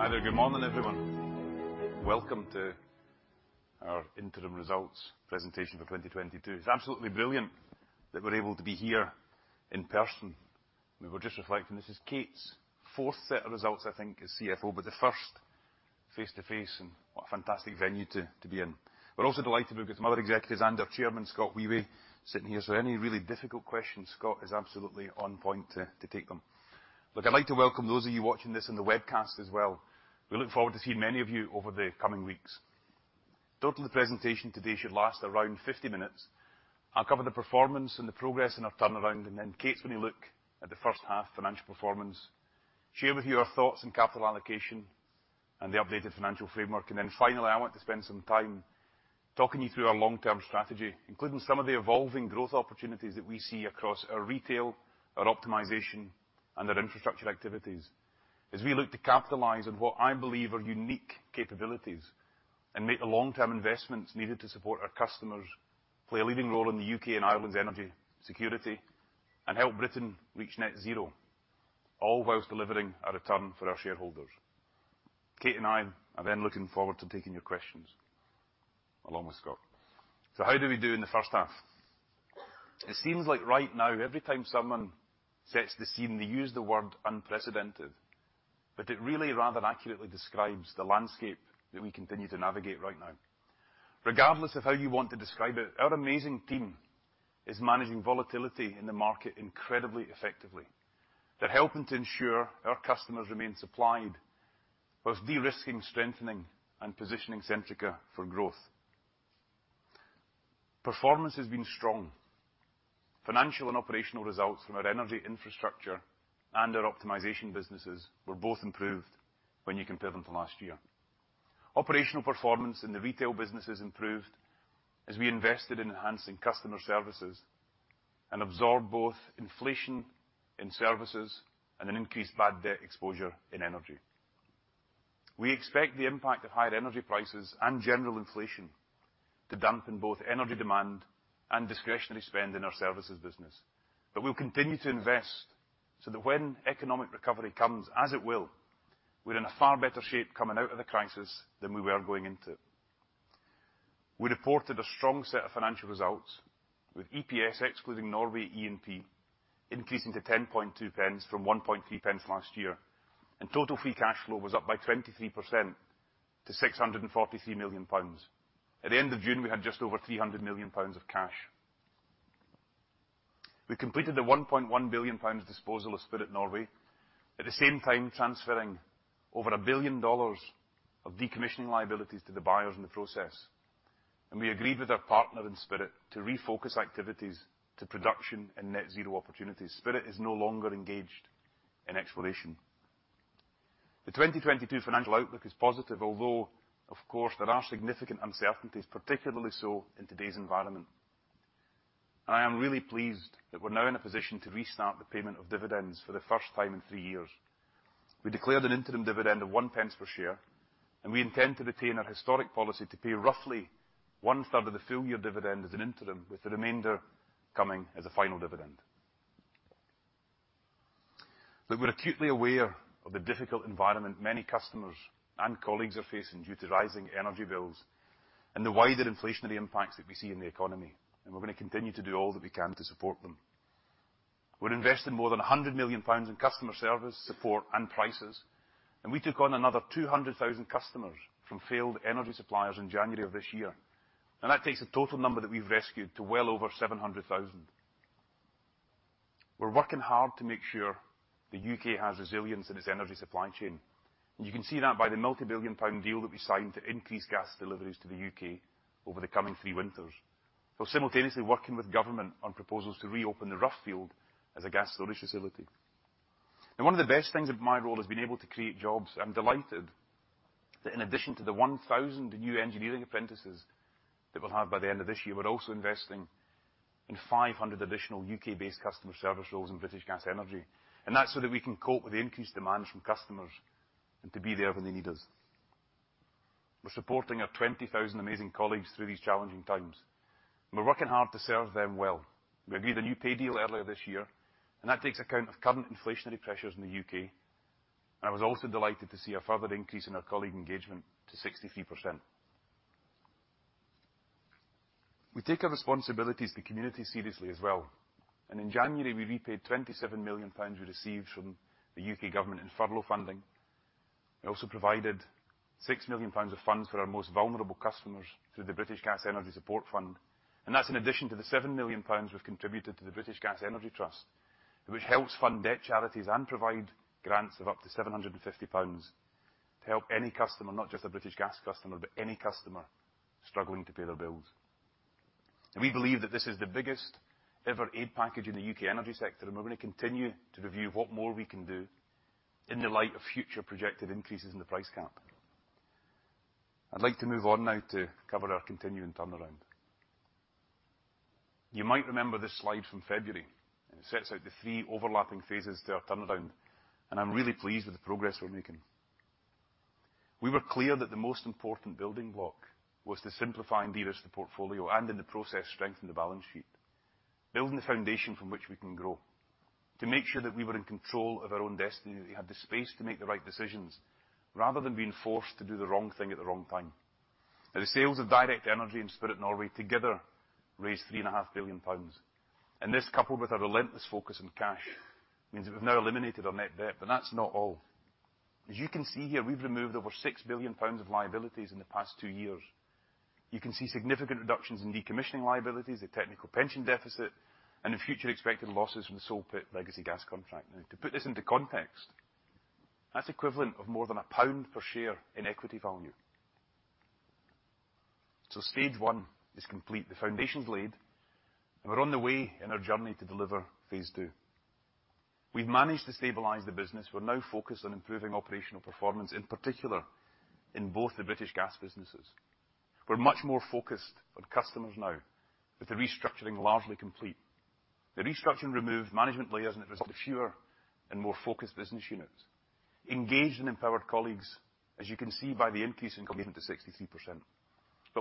Hi there. Good morning, everyone. Welcome to our Interim Results Presentation for 2022. It's absolutely brilliant that we're able to be here in person. We were just reflecting, this is Kate's fourth set of results, I think, as CFO, but the first face-to-face, and what a fantastic venue to be in. We're also delighted to be with some other executives and our Chairman, Scott Wheway, sitting here. So any really difficult questions, Scott is absolutely on point to take them. Look, I'd like to welcome those of you watching this in the webcast as well. We look forward to seeing many of you over the coming weeks. Total presentation today should last around 50 minutes. I'll cover the performance and the progress in our turnaround, and then Kate's gonna look at the first half financial performance, share with you our thoughts on capital allocation and the updated financial framework. Then finally, I want to spend some time talking you through our long-term strategy, including some of the evolving growth opportunities that we see across our retail, our optimization, and our infrastructure activities as we look to capitalize on what I believe are unique capabilities and make the long-term investments needed to support our customers play a leading role in the U.K. and Ireland's energy security and help Britain reach net zero, all whilst delivering a return for our shareholders. Kate and I are then looking forward to taking your questions, along with Scott. How did we do in the first half? It seems like right now, every time someone sets the scene, they use the word unprecedented, but it really rather accurately describes the landscape that we continue to navigate right now. Regardless of how you want to describe it, our amazing team is managing volatility in the market incredibly effectively. They're helping to ensure our customers remain supplied while de-risking, strengthening, and positioning Centrica for growth. Performance has been strong. Financial and operational results from our energy infrastructure and our optimization businesses were both improved when you compare them to last year. Operational performance in the retail businesses improved as we invested in enhancing customer services and absorbed both inflation in services and an increased bad debt exposure in energy. We expect the impact of higher energy prices and general inflation to dampen both energy demand and discretionary spend in our services business. We'll continue to invest so that when economic recovery comes, as it will, we're in a far better shape coming out of the crisis than we were going into. We reported a strong set of financial results, with EPS excluding Norway E&P increasing to 10.2 pence from 1.3 pence last year, and total free cash flow was up by 23% to 643 million pounds. At the end of June, we had just over 300 million pounds of cash. We completed the 1.1 billion pounds disposal of Spirit Energy Norway, at the same time transferring over $1 billion of decommissioning liabilities to the buyers in the process. We agreed with our partner in Spirit Energy to refocus activities to production and net zero opportunities. Spirit Energy is no longer engaged in exploration. The 2022 financial outlook is positive, although, of course, there are significant uncertainties, particularly so in today's environment. I am really pleased that we're now in a position to restart the payment of dividends for the first time in three years. We declared an interim dividend of 1 pence per share, and we intend to retain our historic policy to pay roughly 1/3 of the full year dividend as an interim, with the remainder coming as a final dividend. We're acutely aware of the difficult environment many customers and colleagues are facing due to rising energy bills and the wider inflationary impacts that we see in the economy, and we're gonna continue to do all that we can to support them. We're investing more than 100 million pounds in customer service, support, and prices, and we took on another 200,000 customers from failed energy suppliers in January of this year. Now that takes the total number that we've rescued to well over 700,000. We're working hard to make sure the U.K. has resilience in its energy supply chain. You can see that by the multi-billion GBP deal that we signed to increase gas deliveries to the U.K. over the coming three winters. We're simultaneously working with government on proposals to reopen the Rough field as a gas storage facility. One of the best things of my role is being able to create jobs. I'm delighted that in addition to the 1,000 new engineering apprentices that we'll have by the end of this year, we're also investing in 500 additional U.K.-based customer service roles in British Gas Energy, and that's so that we can cope with the increased demands from customers and to be there when they need us. We're supporting our 20,000 amazing colleagues through these challenging times. We're working hard to serve them well. We agreed a new pay deal earlier this year, and that takes account of current inflationary pressures in the U.K. I was also delighted to see a further increase in our colleague engagement to 63%. We take our responsibilities to community seriously as well, and in January, we repaid 27 million pounds we received from the U.K. government in furlough funding. We also provided 6 million pounds of funds for our most vulnerable customers through the British Gas Energy Support Fund, and that's in addition to the 7 million pounds we've contributed to the British Gas Energy Trust, which helps fund debt charities and provide grants of up to 750 pounds to help any customer, not just a British Gas customer, but any customer struggling to pay their bills. We believe that this is the biggest ever aid package in the U.K. energy sector, and we're gonna continue to review what more we can do in the light of future projected increases in the price cap. I'd like to move on now to cover our continuing turnaround. You might remember this slide from February. It sets out the three overlapping phases to our turnaround, and I'm really pleased with the progress we're making. We were clear that the most important building block was to simplify and de-risk the portfolio and in the process strengthen the balance sheet, building the foundation from which we can grow to make sure that we were in control of our own destiny, we had the space to make the right decisions rather than being forced to do the wrong thing at the wrong time. Now the sales of Direct Energy and Spirit Energy Norway together raised 3.5 billion pounds. This coupled with a relentless focus on cash means we've now eliminated our net debt, but that's not all. As you can see here, we've removed over 6 billion pounds of liabilities in the past two years. You can see significant reductions in decommissioning liabilities, the technical pension deficit, and the future expected losses from the Saltfleetby legacy gas contract. Now to put this into context, that's equivalent of more than GBP 1 per share in equity value. Stage one is complete. The foundation's laid, and we're on the way in our journey to deliver phase two. We've managed to stabilize the business. We're now focused on improving operational performance, in particular, in both the British Gas businesses. We're much more focused on customers now with the restructuring largely complete. The restructuring removed management layers, and it resulted in fewer and more focused business units, engaged and empowered colleagues, as you can see by the increase in commitment to 63%.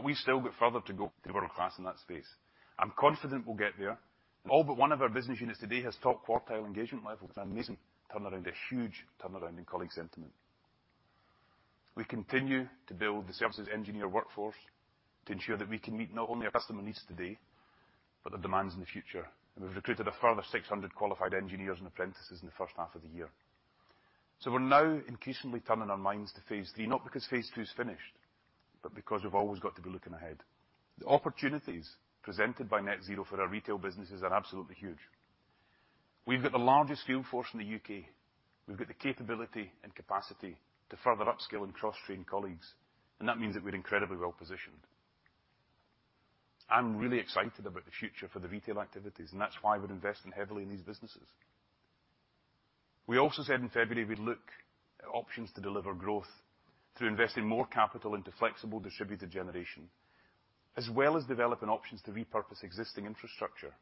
We've still got further to go to world-class in that space. I'm confident we'll get there. All but one of our business units today has top quartile engagement levels. An amazing turnaround, a huge turnaround in colleague sentiment. We continue to build the services engineer workforce to ensure that we can meet not only our customer needs today, but the demands in the future. We've recruited a further 600 qualified engineers and apprentices in the first half of the year. We're now increasingly turning our minds to phase three, not because phase two is finished, but because we've always got to be looking ahead. The opportunities presented by net zero for our retail businesses are absolutely huge. We've got the largest field force in the U.K.. We've got the capability and capacity to further upskill and cross-train colleagues, and that means that we're incredibly well positioned. I'm really excited about the future for the retail activities, and that's why we're investing heavily in these businesses. We also said in February, we'd look at options to deliver growth through investing more capital into flexible distributed generation, as well as developing options to repurpose existing infrastructure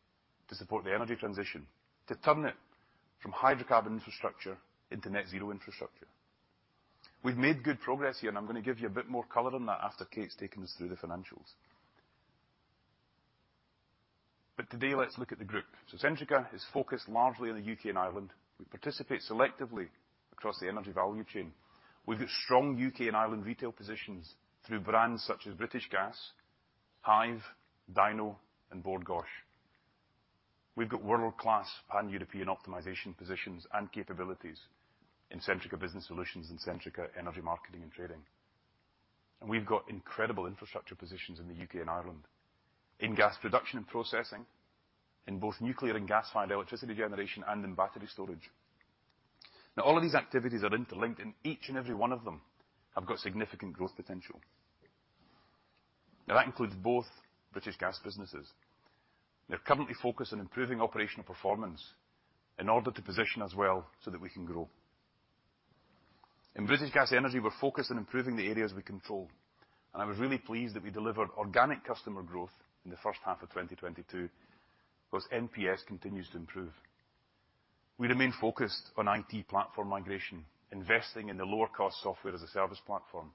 to support the energy transition, to turn it from hydrocarbon infrastructure into net zero infrastructure. We've made good progress here, and I'm gonna give you a bit more color on that after Kate's taken us through the financials. Today, let's look at the group. Centrica is focused largely on the U.K. and Ireland. We participate selectively across the energy value chain. We've got strong U.K. and Ireland retail positions through brands such as British Gas, Hive, Dyno, and Bord Gáis. We've got world-class pan-European optimization positions and capabilities in Centrica Business Solutions and Centrica Energy Marketing and Trading. We've got incredible infrastructure positions in the U.K. and Ireland in gas production and processing, in both nuclear and gas-fired electricity generation, and in battery storage. Now all of these activities are interlinked, and each and every one of them have got significant growth potential. Now that includes both British Gas businesses. They're currently focused on improving operational performance in order to position us well so that we can grow. In British Gas Energy, we're focused on improving the areas we control, and I was really pleased that we delivered organic customer growth in the first half of 2022 while NPS continues to improve. We remain focused on IT platform migration, investing in the lower cost software as a service platform.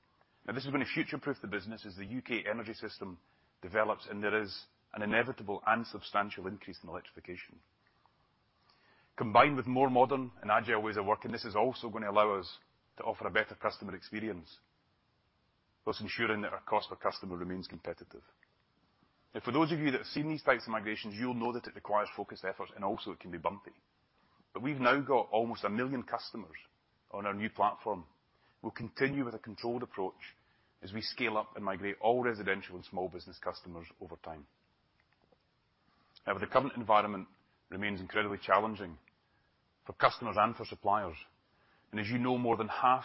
Now this is gonna future-proof the business as the U.K. energy system develops, and there is an inevitable and substantial increase in electrification. Combined with more modern and agile ways of working, this is also gonna allow us to offer a better customer experience while ensuring that our cost per customer remains competitive. Now for those of you that have seen these types of migrations, you'll know that it requires focused efforts and also it can be bumpy. We've now got almost 1 million customers on our new platform. We'll continue with a controlled approach as we scale up and migrate all residential and small business customers over time. Now the current environment remains incredibly challenging for customers and for suppliers. As you know, more than half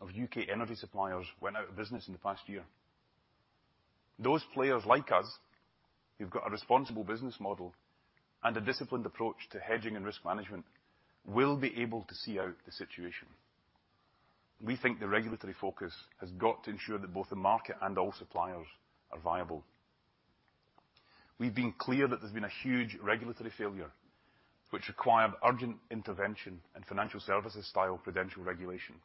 of U.K. energy suppliers went out of business in the past year. Those players like us who've got a responsible business model and a disciplined approach to hedging and risk management will be able to see out the situation. We think the regulatory focus has got to ensure that both the market and all suppliers are viable. We've been clear that there's been a huge regulatory failure which required urgent intervention and financial services style credential regulation.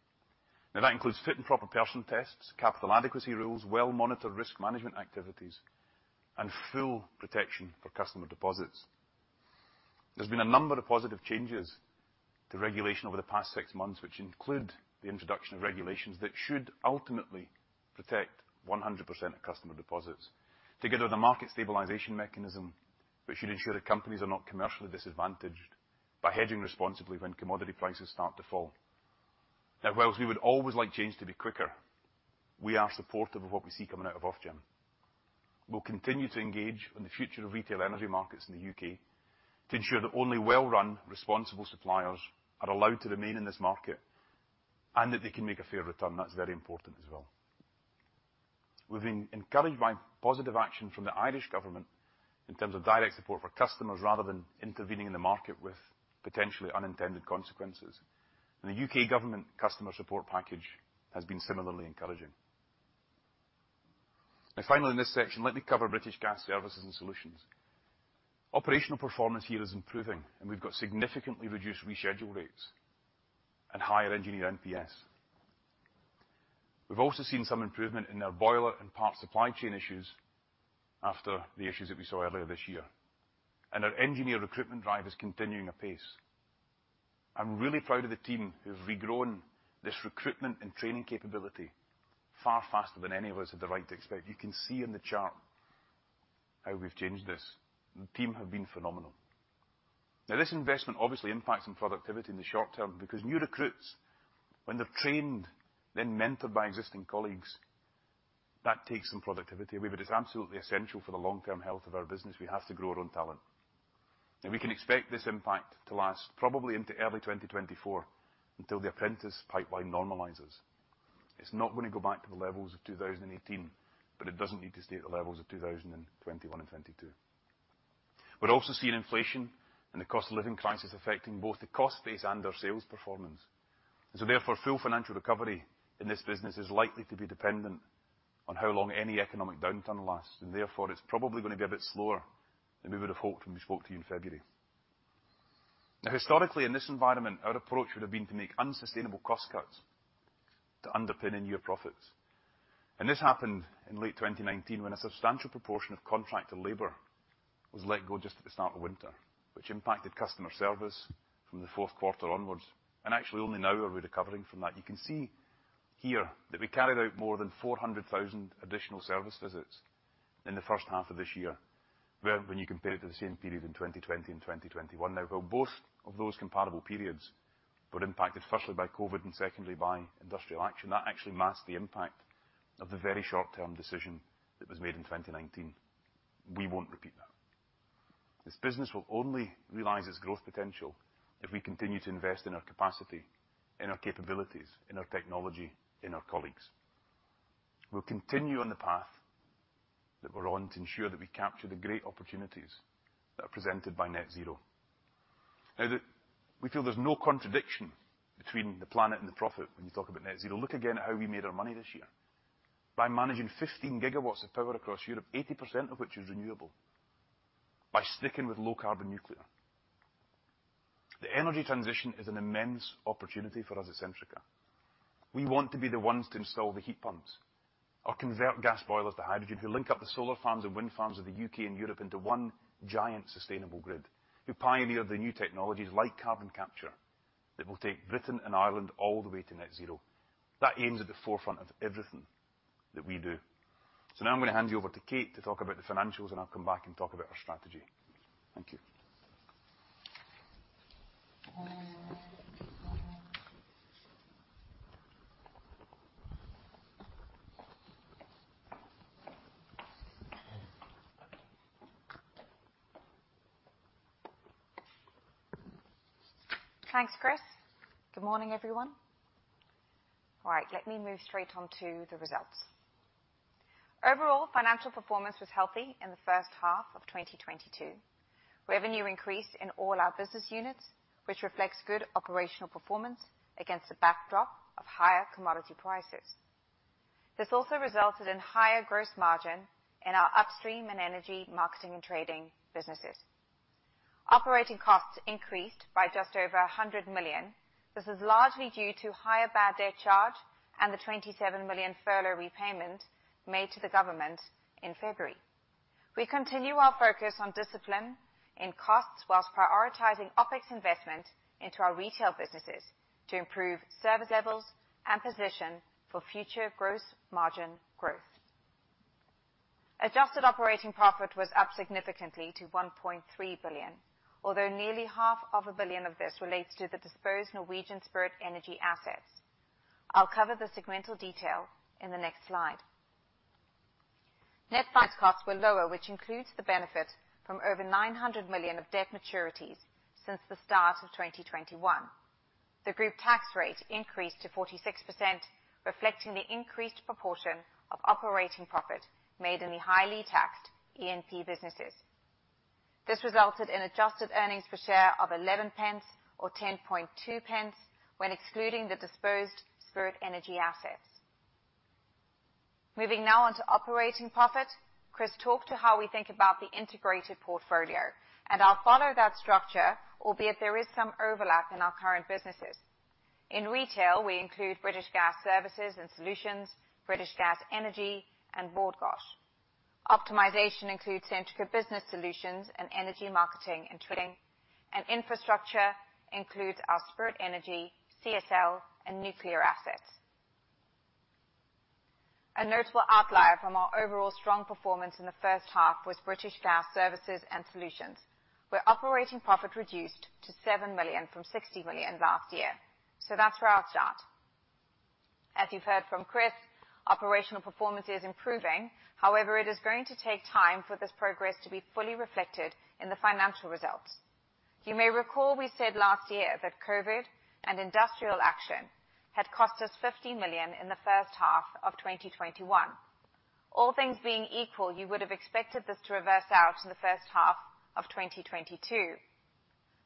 Now that includes fit and proper person tests, capital adequacy rules, well-monitored risk management activities, and full protection for customer deposits. There's been a number of positive changes to regulation over the past six months, which include the introduction of regulations that should ultimately protect 100% of customer deposits. Together with a market stabilization mechanism, which should ensure that companies are not commercially disadvantaged by hedging responsibly when commodity prices start to fall. Now whilst we would always like change to be quicker, we are supportive of what we see coming out of Ofgem. We'll continue to engage on the future of retail energy markets in the U.K to ensure that only well-run, responsible suppliers are allowed to remain in this market and that they can make a fair return. That's very important as well. We've been encouraged by positive action from the Irish government in terms of direct support for customers rather than intervening in the market with potentially unintended consequences. The U.K. government customer support package has been similarly encouraging. Finally, in this section, let me cover British Gas Services and solutions. Operational performance here is improving, and we've got significantly reduced reschedule rates and higher engineer NPS. We've also seen some improvement in our boiler and parts supply chain issues after the issues that we saw earlier this year. Our engineer recruitment drive is continuing apace. I'm really proud of the team who've regrown this recruitment and training capability far faster than any of us had the right to expect. You can see in the chart how we've changed this. The team have been phenomenal. Now, this investment obviously impacts on productivity in the short term because new recruits, when they're trained, then mentored by existing colleagues, that takes some productivity away, but it's absolutely essential for the long-term health of our business. We have to grow our own talent. Now, we can expect this impact to last probably into early 2024 until the apprentice pipeline normalizes. It's not gonna go back to the levels of 2018, but it doesn't need to stay at the levels of 2021 and 2022. We're also seeing inflation and the cost of living crisis affecting both the cost base and our sales performance. Therefore, full financial recovery in this business is likely to be dependent on how long any economic downturn lasts, and therefore it's probably gonna be a bit slower than we would have hoped when we spoke to you in February. Now historically, in this environment, our approach would have been to make unsustainable cost cuts to underpin in-year profits. This happened in late 2019 when a substantial proportion of contracted labor was let go just at the start of winter, which impacted customer service from the fourth quarter onwards. Actually, only now are we recovering from that. You can see here that we carried out more than 400,000 additional service visits in the first half of this year, whereas when you compare it to the same period in 2020 and 2021. Now while both of those comparable periods were impacted firstly by COVID and secondly by industrial action, that actually masked the impact of the very short-term decision that was made in 2019. We won't repeat that. This business will only realize its growth potential if we continue to invest in our capacity, in our capabilities, in our technology, in our colleagues. We'll continue on the path that we're on to ensure that we capture the great opportunities that are presented by net zero. Now we feel there's no contradiction between the planet and the profit when you talk about net zero. Look again at how we made our money this year. By managing 15 GW of power across Europe, 80% of which is renewable, by sticking with low-carbon nuclear. The energy transition is an immense opportunity for us at Centrica. We want to be the ones to install the heat pumps or convert gas boilers to hydrogen, who link up the solar farms and wind farms of the U.K. and Europe into one giant sustainable grid, who pioneer the new technologies like carbon capture that will take Britain and Ireland all the way to net zero. That aim's at the forefront of everything that we do. Now I'm gonna hand you over to Kate to talk about the financials, and I'll come back and talk about our strategy. Thank you. Thanks, Chris. Good morning, everyone. All right. Let me move straight on to the results. Overall, financial performance was healthy in the first half of 2022. Revenue increased in all our business units, which reflects good operational performance against the backdrop of higher commodity prices. This also resulted in higher gross margin in our upstream and energy marketing and trading businesses. Operating costs increased by just over 100 million. This is largely due to higher bad debt charge and the 27 million furlough repayment made to the government in February. We continue our focus on discipline in costs while prioritizing OpEx investment into our retail businesses to improve service levels and position for future gross margin growth. Adjusted operating profit was up significantly to 1.3 billion, although nearly half of a billion of this relates to the disposed Norwegian Spirit Energy assets. I'll cover the segmental detail in the next slide. Net finance costs were lower, which includes the benefit from over 900 million of debt maturities since the start of 2021. The group tax rate increased to 46%, reflecting the increased proportion of operating profit made in the highly taxed E&P businesses. This resulted in adjusted earnings per share of 0.11 pence or 0.102 pence when excluding the disposed Spirit Energy assets. Moving now on to operating profit. Chris talked to how we think about the integrated portfolio, and I'll follow that structure, albeit there is some overlap in our current businesses. In retail, we include British Gas Services and Solutions, British Gas Energy, and Bord Gáis. Optimization includes Centrica Business Solutions and Energy Marketing & Trading. Infrastructure includes our Spirit Energy, CSL, and nuclear assets. A notable outlier from our overall strong performance in the first half was British Gas Services, where operating profit reduced to 7 million from 60 million last year. That's where I'll start. As you've heard from Chris, operational performance is improving. However, it is going to take time for this progress to be fully reflected in the financial results. You may recall we said last year that COVID and industrial action had cost us 50 million in the first half of 2021. All things being equal, you would have expected this to reverse out in the first half of 2022.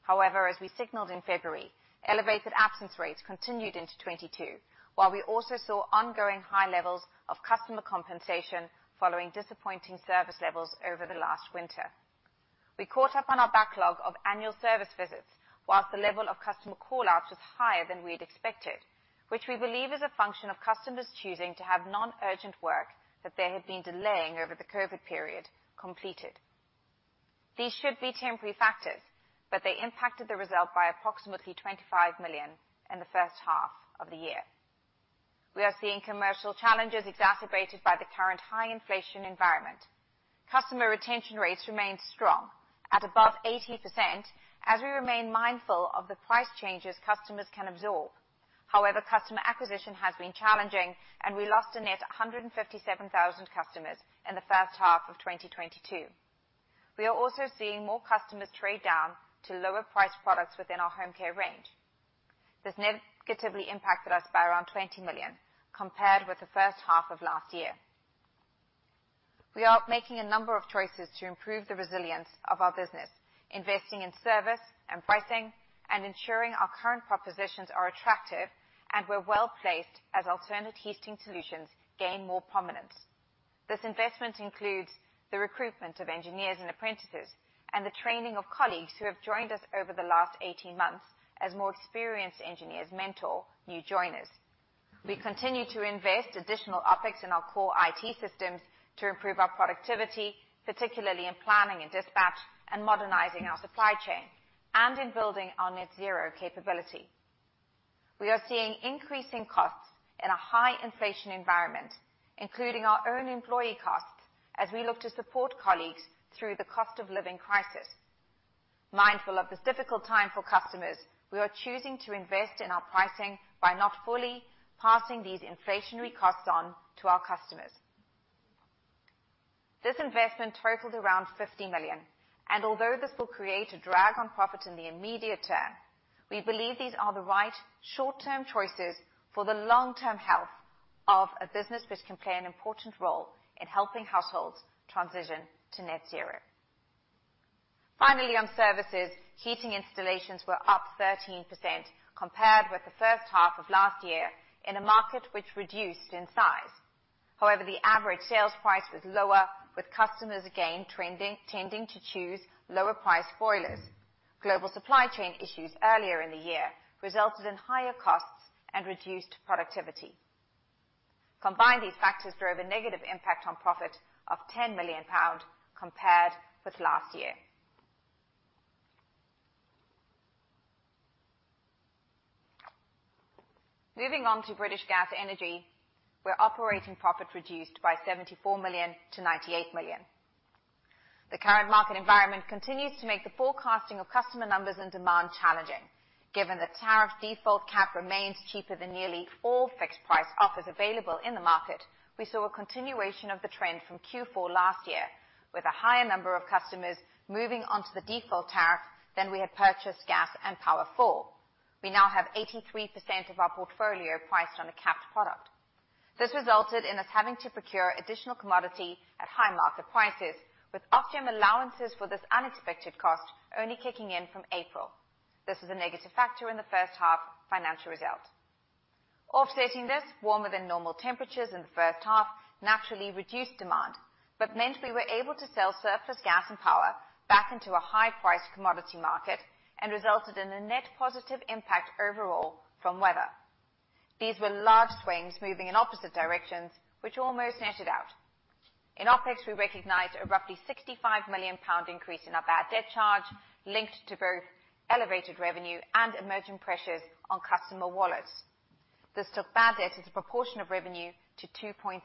However, as we signaled in February, elevated absence rates continued into 2022, while we also saw ongoing high levels of customer compensation following disappointing service levels over the last winter. We caught up on our backlog of annual service visits, while the level of customer call-outs was higher than we had expected, which we believe is a function of customers choosing to have non-urgent work that they had been delaying over the COVID period completed. These should be temporary factors, but they impacted the result by approximately 25 million in the first half of the year. We are seeing commercial challenges exacerbated by the current high inflation environment. Customer retention rates remain strong at above 80% as we remain mindful of the price changes customers can absorb. However, customer acquisition has been challenging, and we lost a net 157,000 customers in the first half of 2022. We are also seeing more customers trade down to lower price products within our home care range. This negatively impacted us by around 20 million compared with the first half of last year. We are making a number of choices to improve the resilience of our business, investing in service and pricing and ensuring our current propositions are attractive, and we're well placed as alternative heating solutions gain more prominence. This investment includes the recruitment of engineers and apprentices and the training of colleagues who have joined us over the last 18 months as more experienced engineers mentor new joiners. We continue to invest additional OpEx in our core IT systems to improve our productivity, particularly in planning and dispatch and modernizing our supply chain and in building our net zero capability. We are seeing increasing costs in a high inflation environment, including our own employee costs, as we look to support colleagues through the cost of living crisis. Mindful of this difficult time for customers, we are choosing to invest in our pricing by not fully passing these inflationary costs on to our customers. This investment totaled around 50 million, and although this will create a drag on profit in the immediate term, we believe these are the right short-term choices for the long-term health of a business which can play an important role in helping households transition to net zero. Finally, on services, heating installations were up 13% compared with the first half of last year in a market which reduced in size. However, the average sales price was lower, with customers again tending to choose lower price boilers. Global supply chain issues earlier in the year resulted in higher costs and reduced productivity. Combined, these factors drove a negative impact on profit of 10 million pound compared with last year. Moving on to British Gas Energy, where operating profit reduced by 74 million-98 million. The current market environment continues to make the forecasting of customer numbers and demand challenging. Given the tariff default cap remains cheaper than nearly all fixed price offers available in the market, we saw a continuation of the trend from Q4 last year, with a higher number of customers moving onto the default tariff than we had purchased gas and power for. We now have 83% of our portfolio priced on a capped product. This resulted in us having to procure additional commodity at high market prices with Ofgem allowances for this unexpected cost only kicking in from April. This was a negative factor in the first half financial result. Offsetting this, warmer than normal temperatures in the first half naturally reduced demand, but meant we were able to sell surplus gas and power back into a high price commodity market and resulted in a net positive impact overall from weather. These were large swings moving in opposite directions, which almost netted out. In OpEx, we recognized a roughly 65 million pound increase in our bad debt charge, linked to both elevated revenue and emerging pressures on customer wallets. This took bad debts as a proportion of revenue to 2.3%.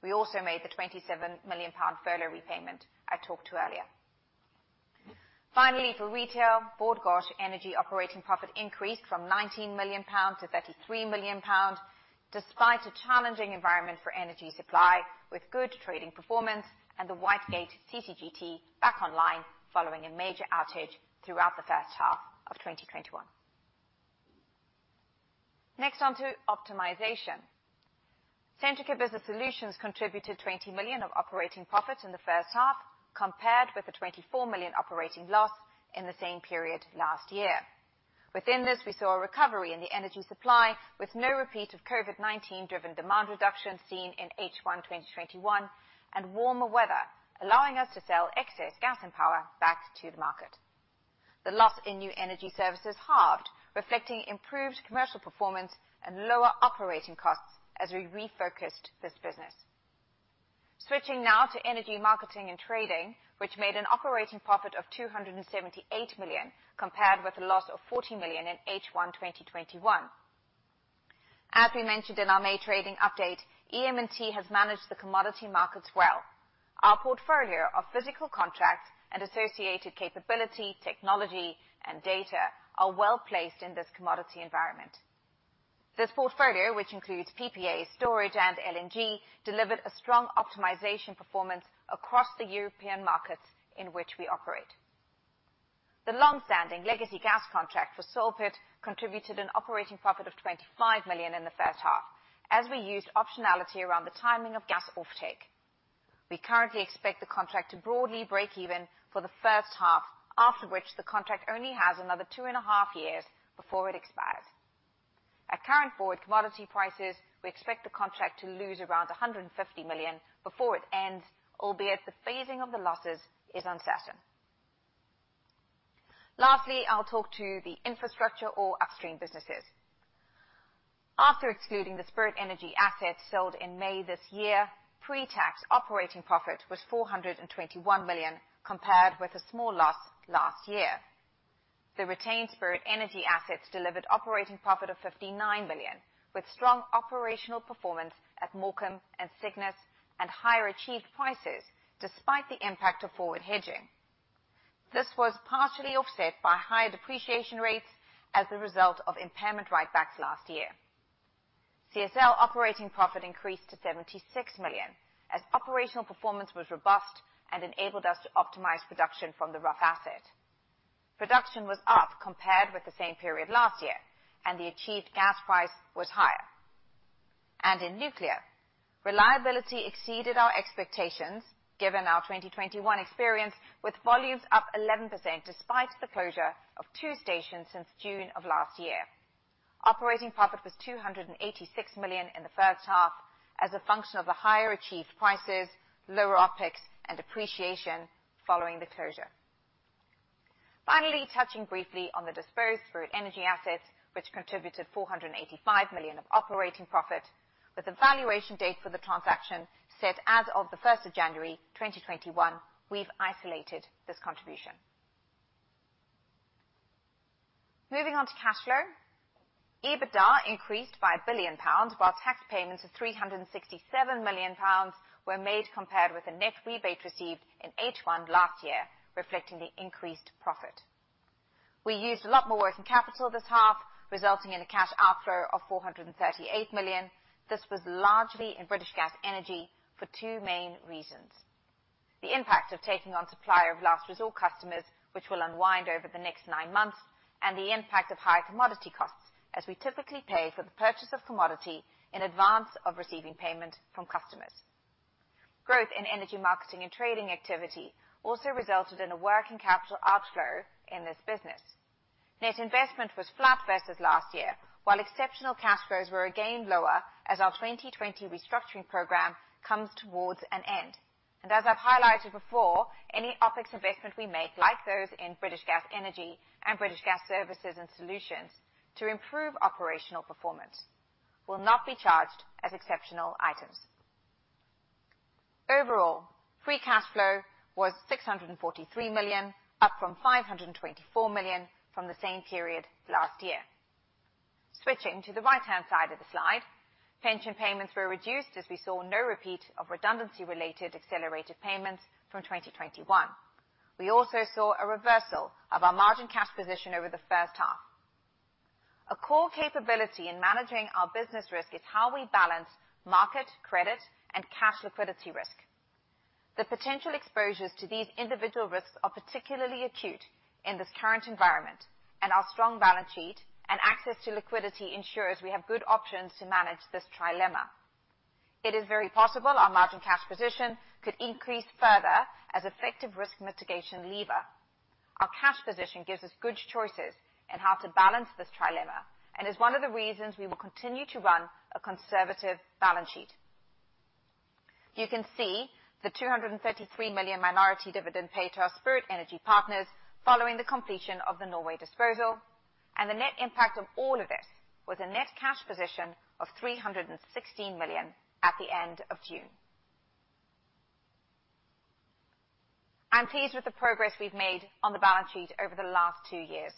We also made the 27 million pound furlough repayment I talked to earlier. Finally, for retail, Bord Gáis Energy operating profit increased from 19 million pounds to 33 million pounds, despite a challenging environment for energy supply, with good trading performance and the Whitegate CCGT back online following a major outage throughout the first half of 2021. Next on to optimization. Centrica Business Solutions contributed 20 million of operating profit in the first half compared with a 24 million operating loss in the same period last year. Within this, we saw a recovery in the energy supply, with no repeat of COVID-19 driven demand reduction seen in H1 2021 and warmer weather, allowing us to sell excess gas and power back to the market. The loss in new energy services halved, reflecting improved commercial performance and lower operating costs as we refocused this business. Switching now to Energy Marketing & Trading, which made an operating profit of GBP 278 million, compared with a loss of GBP 40 million in H1 2021. As we mentioned in our May trading update, EM&T has managed the commodity markets well. Our portfolio of physical contracts and associated capability, technology, and data are well placed in this commodity environment. This portfolio, which includes PPAs, storage, and LNG, delivered a strong optimization performance across the European markets in which we operate. The longstanding legacy gas contract for Salt contributed an operating profit of 25 million in the first half as we used optionality around the timing of gas offtake. We currently expect the contract to broadly break even for the first half, after which the contract only has another 2.5 years before it expires. At current forward commodity prices, we expect the contract to lose around 150 million before it ends, albeit the phasing of the losses is uncertain. Lastly, I'll talk to the infrastructure or upstream businesses. After excluding the Spirit Energy assets sold in May this year, pre-tax operating profit was 421 million compared with a small loss last year. The retained Spirit Energy assets delivered operating profit of 59 million, with strong operational performance at Morecambe and Cygnus, and higher achieved prices despite the impact of forward hedging. This was partially offset by higher depreciation rates as a result of impairment write-backs last year. CSL operating profit increased to 76 million as operational performance was robust and enabled us to optimize production from the Rough asset. Production was up compared with the same period last year, and the achieved gas price was higher. In nuclear, reliability exceeded our expectations given our 2021 experience, with volumes up 11% despite the closure of two stations since June of last year. Operating profit was 286 million in the first half as a function of the higher achieved prices, lower OpEx, and depreciation following the closure. Finally, touching briefly on the disposed Spirit Energy assets which contributed 485 million of operating profit. With the valuation date for the transaction set as of January 1st, 2021, we've isolated this contribution. Moving on to cash flow. EBITDA increased by 1 billion pounds, while tax payments of 367 million pounds were made compared with the net rebate received in H1 last year, reflecting the increased profit. We used a lot more working capital this half, resulting in a cash outflow of 438 million. This was largely in British Gas Energy for two main reasons. The impact of taking on supplier of last resort customers, which will unwind over the next nine months, and the impact of higher commodity costs, as we typically pay for the purchase of commodity in advance of receiving payment from customers. Growth in Energy Marketing and Trading activity also resulted in a working capital outflow in this business. Net investment was flat versus last year, while exceptional cash flows were again lower as our 2020 restructuring program comes to an end. As I've highlighted before, any OpEx investment we make, like those in British Gas Energy and British Gas Services and Solutions to improve operational performance, will not be charged as exceptional items. Overall, free cash flow was 643 million, up from 524 million from the same period last year. Switching to the right-hand side of the slide, pension payments were reduced as we saw no repeat of redundancy-related accelerated payments from 2021. We also saw a reversal of our margin cash position over the first half. A core capability in managing our business risk is how we balance market credit and cash liquidity risk. The potential exposures to these individual risks are particularly acute in this current environment, and our strong balance sheet and access to liquidity ensures we have good options to manage this trilemma. It is very possible our margin cash position could increase further as effective risk mitigation lever. Our cash position gives us good choices in how to balance this trilemma and is one of the reasons we will continue to run a conservative balance sheet. You can see the 233 million minority dividend paid to our Spirit Energy partners following the completion of the Norway disposal. The net impact of all of this was a net cash position of 316 million at the end of June. I'm pleased with the progress we've made on the balance sheet over the last two years.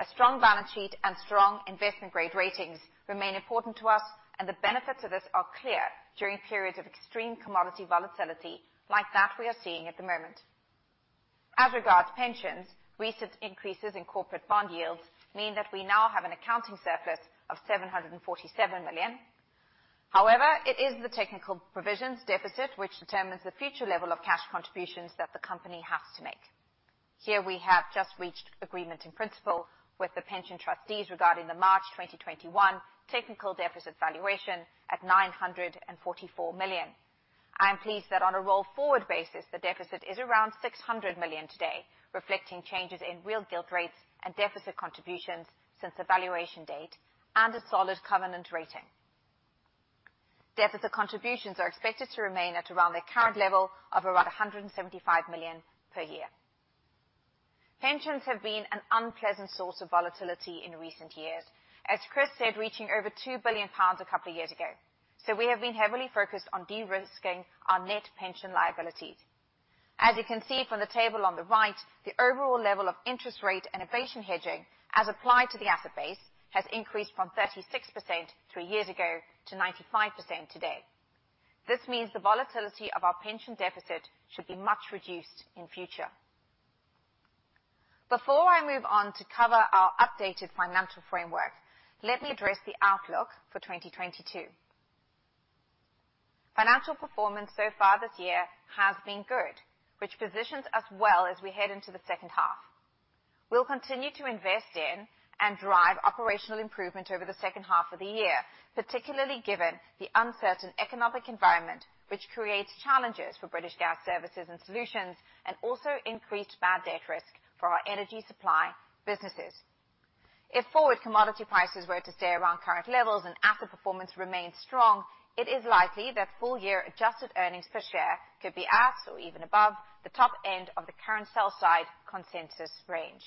A strong balance sheet and strong investment-grade ratings remain important to us, and the benefits of this are clear during periods of extreme commodity volatility like that we are seeing at the moment. As regards pensions, recent increases in corporate bond yields mean that we now have an accounting surplus of 747 million. However, it is the technical provisions deficit which determines the future level of cash contributions that the company has to make. Here we have just reached agreement in principle with the pension trustees regarding the March 2021 technical deficit valuation at 944 million. I am pleased that on a roll-forward basis, the deficit is around 600 million today, reflecting changes in real gilt rates and deficit contributions since the valuation date, and a solid covenant rating. Deficit contributions are expected to remain at around the current level of around 175 million per year. Pensions have been an unpleasant source of volatility in recent years. As Chris said, reaching over 2 billion pounds a couple of years ago. We have been heavily focused on de-risking our net pension liabilities. As you can see from the table on the right, the overall level of interest rate and inflation hedging as applied to the asset base has increased from 36% three years ago to 95% today. This means the volatility of our pension deficit should be much reduced in future. Before I move on to cover our updated financial framework, let me address the outlook for 2022. Financial performance so far this year has been good, which positions us well as we head into the second half. We'll continue to invest in and drive operational improvement over the second half of the year, particularly given the uncertain economic environment which creates challenges for British Gas Services and Centrica Business Solutions, and also increased bad debt risk for our energy supply businesses. If forward commodity prices were to stay around current levels and asset performance remains strong, it is likely that full year adjusted earnings per share could be at, or even above, the top end of the current sell side consensus range.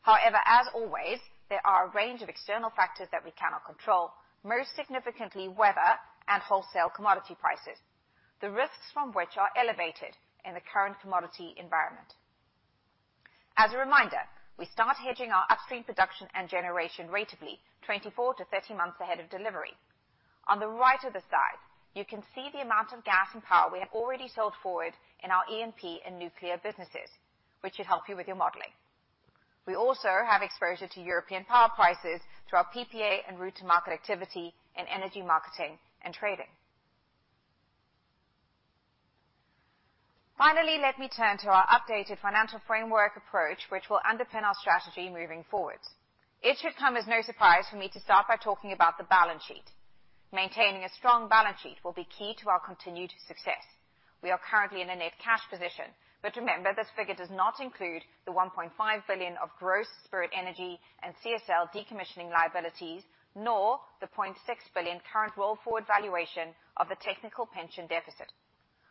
However, as always, there are a range of external factors that we cannot control, most significantly, weather and wholesale commodity prices, the risks from which are elevated in the current commodity environment. As a reminder, we start hedging our upstream production and generation ratably 24-30 months ahead of delivery. On the right of the slide, you can see the amount of gas and power we have already sold forward in our EM&T and nuclear businesses, which will help you with your modeling. We also have exposure to European power prices through our PPA and route to market activity in energy marketing and trading. Finally, let me turn to our updated financial framework approach, which will underpin our strategy moving forward. It should come as no surprise for me to start by talking about the balance sheet. Maintaining a strong balance sheet will be key to our continued success. We are currently in a net cash position. Remember, this figure does not include the 1.5 billion of gross Spirit Energy and CSL decommissioning liabilities, nor the 0.6 billion current roll forward valuation of the technical pension deficit.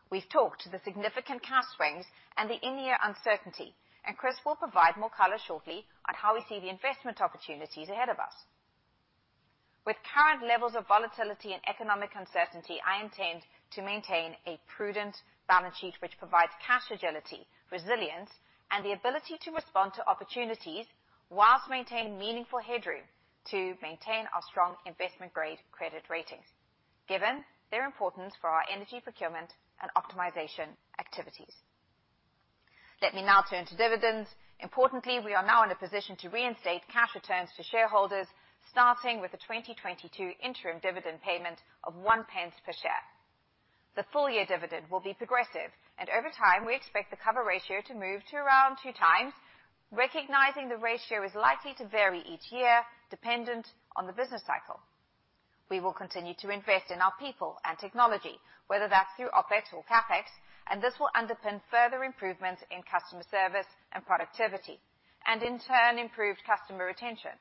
We've talked about the significant cash swings and the in-year uncertainty, and Chris will provide more color shortly on how we see the investment opportunities ahead of us. With current levels of volatility and economic uncertainty, I intend to maintain a prudent balance sheet which provides cash agility, resilience, and the ability to respond to opportunities while maintaining meaningful headroom to maintain our strong investment-grade credit ratings, given their importance for our energy procurement and optimization activities. Let me now turn to dividends. Importantly, we are now in a position to reinstate cash returns to shareholders, starting with the 2022 interim dividend payment of 0.01 per share. The full year dividend will be progressive, and over time, we expect the cover ratio to move to around 2x, recognizing the ratio is likely to vary each year dependent on the business cycle. We will continue to invest in our people and technology, whether that's through OpEx or CapEx, and this will underpin further improvements in customer service and productivity. In turn, improved customer retention.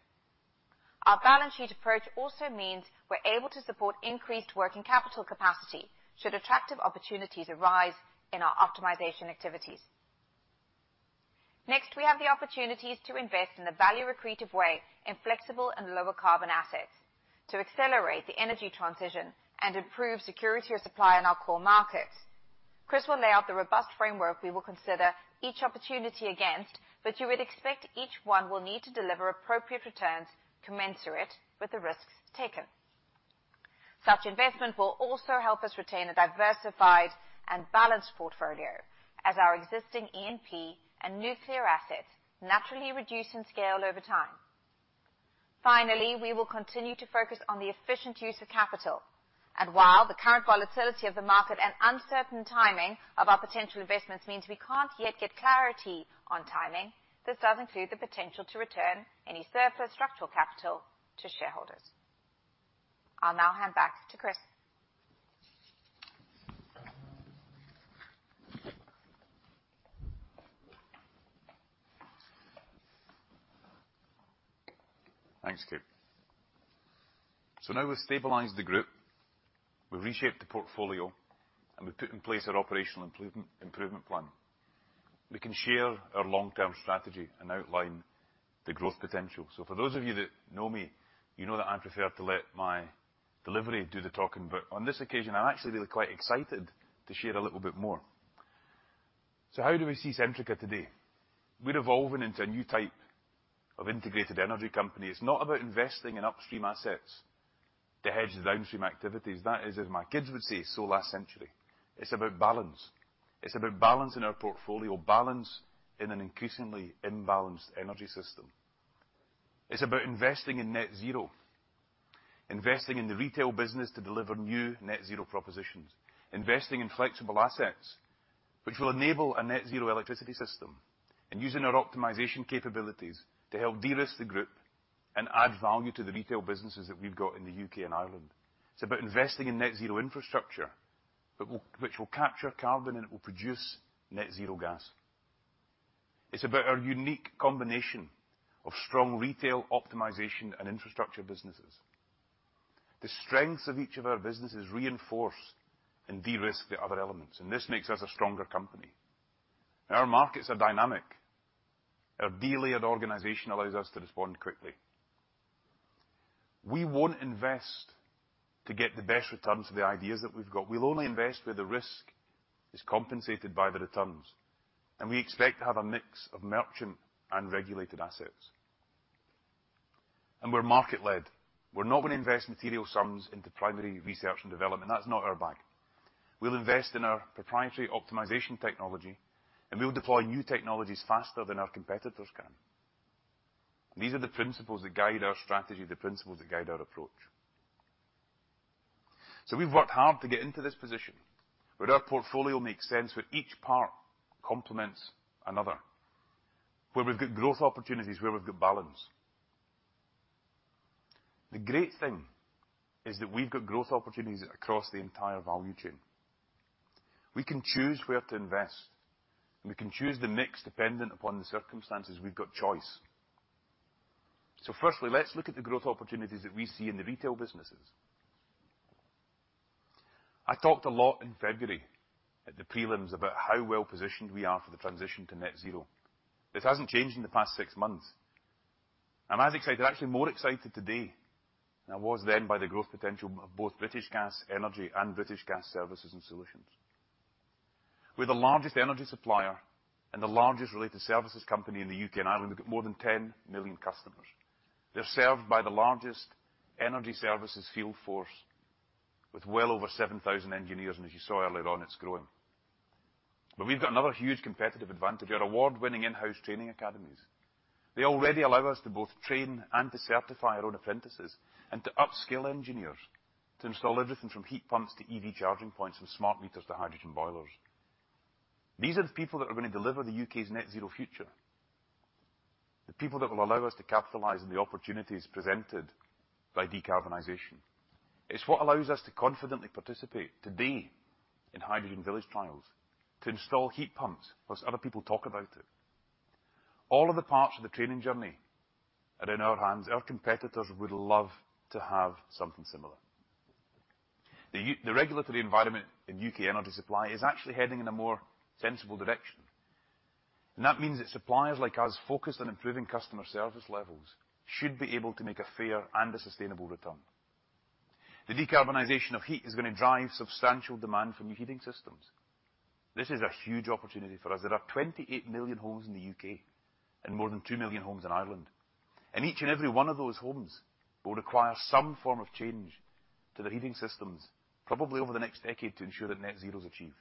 Our balance sheet approach also means we're able to support increased working capital capacity should attractive opportunities arise in our optimization activities. Next, we have the opportunities to invest in a value-accretive way in flexible and lower carbon assets to accelerate the energy transition and improve security of supply in our core markets. Chris will lay out the robust framework we will consider each opportunity against, but you would expect each one will need to deliver appropriate returns commensurate with the risks taken. Such investment will also help us retain a diversified and balanced portfolio as our existing EM&T and nuclear assets naturally reduce in scale over time. Finally, we will continue to focus on the efficient use of capital. While the current volatility of the market and uncertain timing of our potential investments means we can't yet get clarity on timing, this does include the potential to return any surplus structural capital to shareholders. I'll now hand back to Chris. Thanks, Kate. Now we've stabilized the group, we've reshaped the portfolio, and we've put in place our operational improvement plan. We can share our long-term strategy and outline the growth potential. For those of you that know me, you know that I prefer to let my delivery do the talking. On this occasion, I'm actually really quite excited to share a little bit more. How do we see Centrica today? We're evolving into a new type of integrated energy company. It's not about investing in upstream assets to hedge the downstream activities. That is, as my kids would say, so last century. It's about balance. It's about balance in our portfolio, balance in an increasingly imbalanced energy system. It's about investing in net zero, investing in the retail business to deliver new net zero propositions, investing in flexible assets which will enable a net zero electricity system, and using our optimization capabilities to help de-risk the group and add value to the retail businesses that we've got in the U.K. and Ireland. It's about investing in net zero infrastructure, which will capture carbon, and it will produce net zero gas. It's about our unique combination of strong retail optimization and infrastructure businesses. The strengths of each of our businesses reinforce and de-risk the other elements, and this makes us a stronger company. Our markets are dynamic. Our de-layered organization allows us to respond quickly. We won't invest to get the best returns for the ideas that we've got. We'll only invest where the risk is compensated by the returns, and we expect to have a mix of merchant and regulated assets. We're market-led. We're not gonna invest material sums into primary research and development. That's not our bag. We'll invest in our proprietary optimization technology, and we'll deploy new technologies faster than our competitors can. These are the principles that guide our strategy, the principles that guide our approach. We've worked hard to get into this position where our portfolio makes sense, where each part complements another, where we've got growth opportunities, where we've got balance. The great thing is that we've got growth opportunities across the entire value chain. We can choose where to invest, and we can choose the mix dependent upon the circumstances. We've got choice. Firstly, let's look at the growth opportunities that we see in the retail businesses. I talked a lot in February at the prelims about how well-positioned we are for the transition to net zero. This hasn't changed in the past six months. I'm as excited, actually more excited today than I was then by the growth potential of both British Gas Energy and British Gas Services and Solutions. We're the largest energy supplier and the largest related services company in the U.K. and Ireland. We've got more than 10 million customers. They're served by the largest energy services field force with well over 7,000 engineers, and as you saw earlier on, it's growing. We've got another huge competitive advantage, our award-winning in-house training academies. They already allow us to both train and to certify our own apprentices and to upskill engineers to install everything from heat pumps to EV charging points, from smart meters to hydrogen boilers. These are the people that are gonna deliver the U.K. Net zero future, the people that will allow us to capitalize on the opportunities presented by decarbonization. It's what allows us to confidently participate today in Hydrogen Village trials, to install heat pumps while other people talk about it. All of the parts of the training journey are in our hands. Our competitors would love to have something similar. The regulatory environment in U.K. Energy supply is actually heading in a more sensible direction, and that means that suppliers like us focused on improving customer service levels should be able to make a fair and a sustainable return. The decarbonization of heat is gonna drive substantial demand for new heating systems. This is a huge opportunity for us. There are 28 million homes in the U.K. and more than 2 million homes in Ireland, and each and every one of those homes will require some form of change to their heating systems, probably over the next decade, to ensure that net zero is achieved.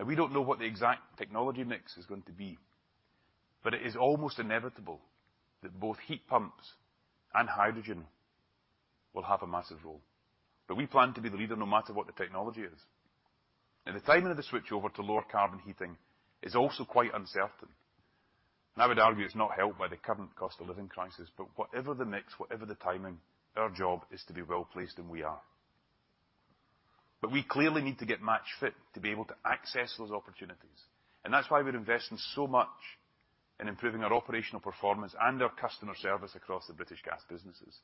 Now we don't know what the exact technology mix is going to be, but it is almost inevitable that both heat pumps and hydrogen will have a massive role, but we plan to be the leader no matter what the technology is. Now the timing of the switchover to lower carbon heating is also quite uncertain, and I would argue it's not helped by the current cost of living crisis. Whatever the mix, whatever the timing, our job is to be well-placed, and we are. We clearly need to get match fit to be able to access those opportunities, and that's why we're investing so much in improving our operational performance and our customer service across the British Gas businesses,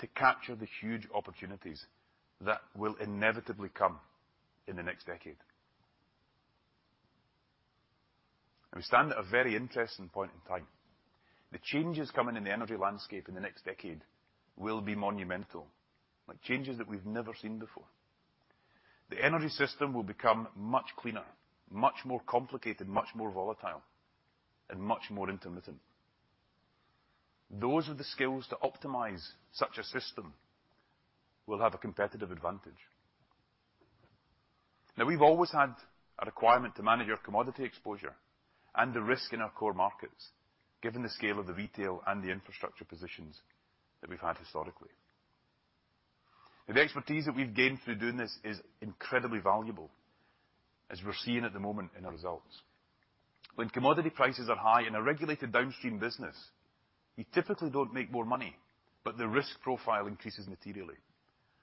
to capture the huge opportunities that will inevitably come in the next decade. We stand at a very interesting point in time. The changes coming in the energy landscape in the next decade will be monumental, like changes that we've never seen before. The energy system will become much cleaner, much more complicated, much more volatile, and much more intermittent. Those with the skills to optimize such a system will have a competitive advantage. Now we've always had a requirement to manage our commodity exposure and the risk in our core markets, given the scale of the retail and the infrastructure positions that we've had historically. The expertise that we've gained through doing this is incredibly valuable, as we're seeing at the moment in our results. When commodity prices are high in a regulated downstream business, you typically don't make more money, but the risk profile increases materially.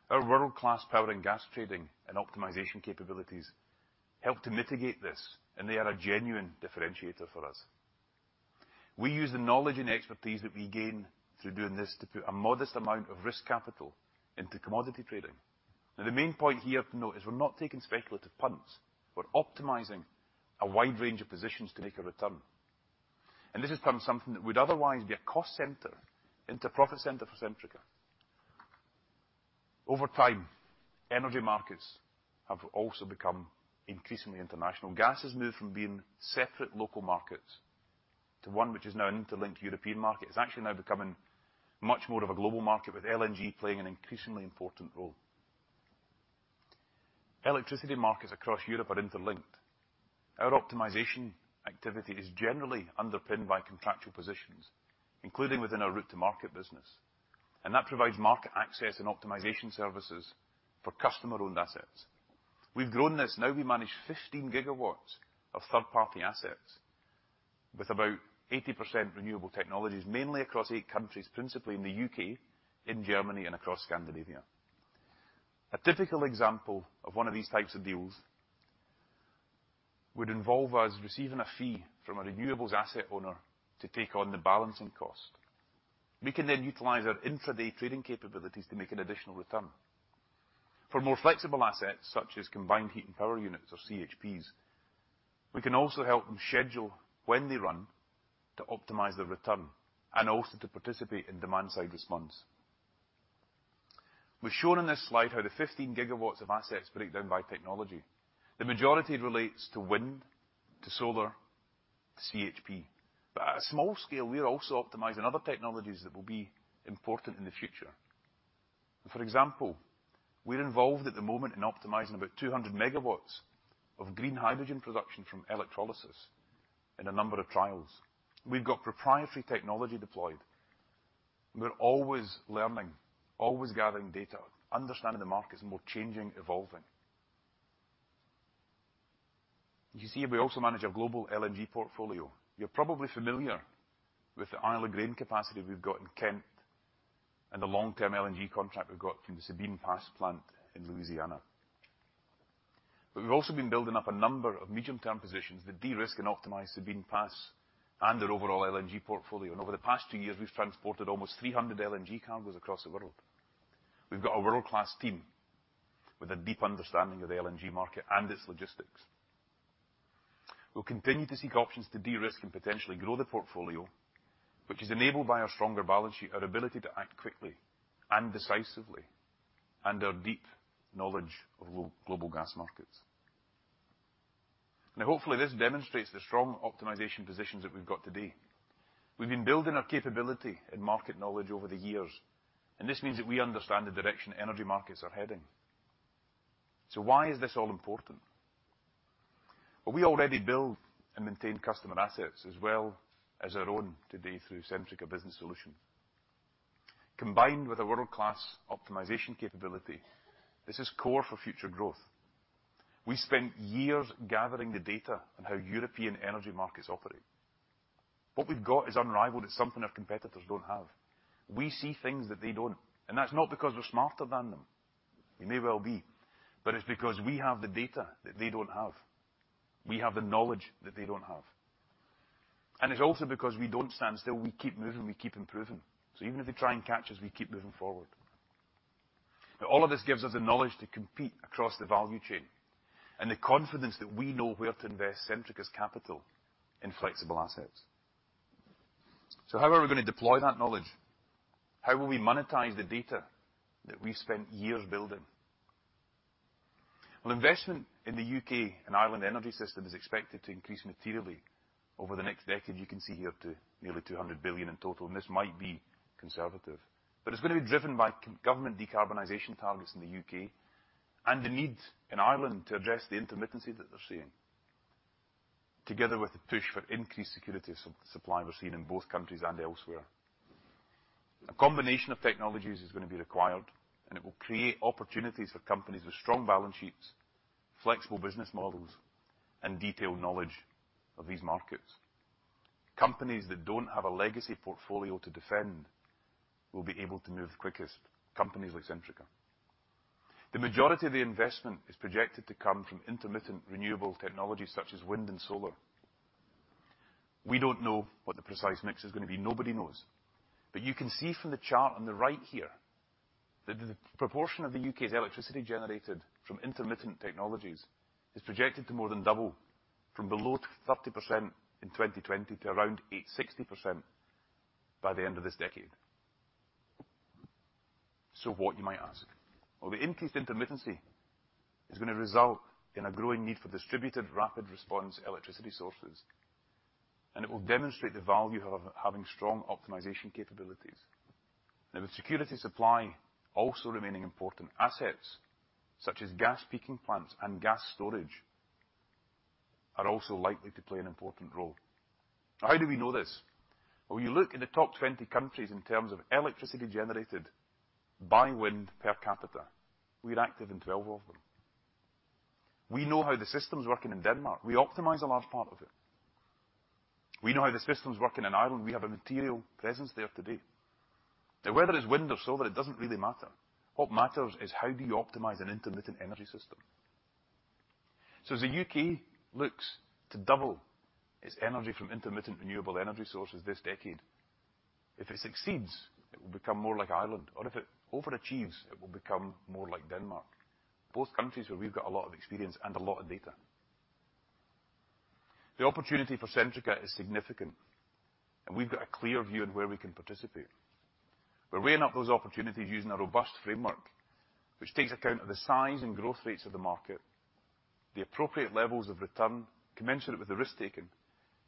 Our world-class power and gas trading and optimization capabilities help to mitigate this, and they are a genuine differentiator for us. We use the knowledge and expertise that we gain through doing this to put a modest amount of risk capital into commodity trading. Now the main point here to note is we're not taking speculative punts. We're optimizing a wide range of positions to make a return, and this has turned something that would otherwise be a cost center into a profit center for Centrica. Over time, energy markets have also become increasingly international. Gas has moved from being separate local markets to one which is now an interlinked European market. It's actually now becoming much more of a global market, with LNG playing an increasingly important role. Electricity markets across Europe are interlinked. Our optimization activity is generally underpinned by contractual positions, including within our route to market business, and that provides market access and optimization services for customer-owned assets. We've grown this. Now we manage 15 GW of third-party assets with about 80% renewable technologies, mainly across 8 countries, principally in the U.K., in Germany, and across Scandinavia. A typical example of one of these types of deals would involve us receiving a fee from a renewables asset owner to take on the balancing cost. We can then utilize our intraday trading capabilities to make an additional return. For more flexible assets, such as combined heat and power units or CHPs, we can also help them schedule when they run to optimize the return and also to participate in demand-side response. We've shown on this slide how the 15 GW of assets break down by technology. The majority relates to wind, to solar, to CHP. At a small scale, we are also optimizing other technologies that will be important in the future. For example, we're involved at the moment in optimizing about 200 MW of green hydrogen production from electrolysis. In a number of trials. We've got proprietary technology deployed. We're always learning, always gathering data, understanding the markets and we're changing, evolving. You see we also manage our global LNG portfolio. You're probably familiar with the Isle of Grain capacity we've got in Kent and the long-term LNG contract we've got from the Sabine Pass plant in Louisiana. We've also been building up a number of medium-term positions that de-risk and optimize Sabine Pass and their overall LNG portfolio. Over the past two years, we've transported almost 300 LNG cargos across the world. We've got a world-class team with a deep understanding of the LNG market and its logistics. We'll continue to seek options to de-risk and potentially grow the portfolio, which is enabled by our stronger balance sheet, our ability to act quickly and decisively, and our deep knowledge of global gas markets. Now, hopefully this demonstrates the strong optimization positions that we've got today. We've been building our capability and market knowledge over the years, and this means that we understand the direction energy markets are heading. Why is this all important? Well, we already build and maintain customer assets as well as our own today through Centrica Business Solutions. Combined with our world-class optimization capability, this is core for future growth. We spent years gathering the data on how European energy markets operate. What we've got is unrivaled. It's something our competitors don't have. We see things that they don't, and that's not because we're smarter than them. We may well be, but it's because we have the data that they don't have. We have the knowledge that they don't have. It's also because we don't stand still. We keep moving. We keep improving. Even if they try and catch us, we keep moving forward. Now all of this gives us the knowledge to compete across the value chain and the confidence that we know where to invest Centrica's capital in flexible assets. How are we going to deploy that knowledge? How will we monetize the data that we've spent years building? Well, investment in the U.K. and Ireland energy system is expected to increase materially over the next decade. You can see here up to nearly 200 billion in total, and this might be conservative. It's going to be driven by government decarbonization targets in the U.K. and the need in Ireland to address the intermittency that they're seeing, together with the push for increased security of supply we're seeing in both countries and elsewhere. A combination of technologies is going to be required, and it will create opportunities for companies with strong balance sheets, flexible business models, and detailed knowledge of these markets. Companies that don't have a legacy portfolio to defend will be able to move quickest, companies like Centrica. The majority of the investment is projected to come from intermittent renewable technologies such as wind and solar. We don't know what the precise mix is going to be. Nobody knows. You can see from the chart on the right here that the proportion of the U.K. electricity generated from intermittent technologies is projected to more than double from below 30% in 2020 to around 60% by the end of this decade. What you might ask? Well, the increased intermittency is going to result in a growing need for distributed rapid response electricity sources, and it will demonstrate the value of having strong optimization capabilities. Now with security of supply also remaining important, assets such as gas peaking plants and gas storage are also likely to play an important role. How do we know this? Well, you look in the top 20 countries in terms of electricity generated by wind per capita, we're active in 12 of them. We know how the system's working in Denmark. We optimize a large part of it. We know how the system's working in Ireland. We have a material presence there today. Now whether it's wind or solar, it doesn't really matter. What matters is how do you optimize an intermittent energy system? As the U.K. looks to double its energy from intermittent renewable energy sources this decade, if it succeeds, it will become more like Ireland, or if it overachieves, it will become more like Denmark, both countries where we've got a lot of experience and a lot of data. The opportunity for Centrica is significant, and we've got a clear view on where we can participate. We're weighing up those opportunities using a robust framework which takes account of the size and growth rates of the market, the appropriate levels of return commensurate with the risk taken,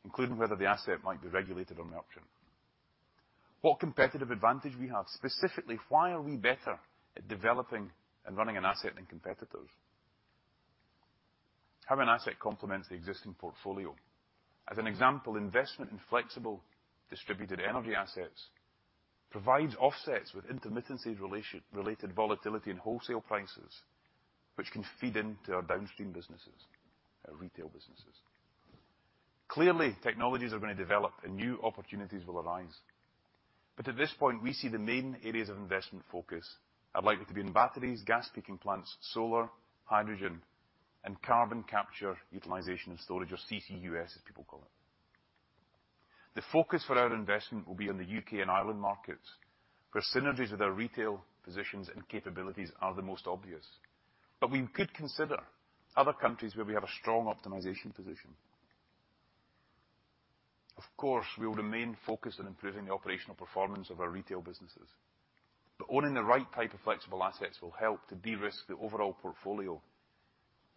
including whether the asset might be regulated or merchant. What competitive advantage we have, specifically, why are we better at developing and running an asset than competitors? How an asset complements the existing portfolio. As an example, investment in flexible distributed energy assets provides offsets with intermittency-related volatility in wholesale prices, which can feed into our downstream businesses, our retail businesses. Clearly, technologies are going to develop and new opportunities will arise. At this point, we see the main areas of investment focus are likely to be in batteries, gas peaking plants, solar, hydrogen, and carbon capture utilization and storage, or CCUS, as people call it. The focus for our investment will be in the U.K. and Ireland markets, where synergies of their retail positions and capabilities are the most obvious. We could consider other countries where we have a strong optimization position. Of course, we will remain focused on improving the operational performance of our retail businesses. Owning the right type of flexible assets will help to de-risk the overall portfolio,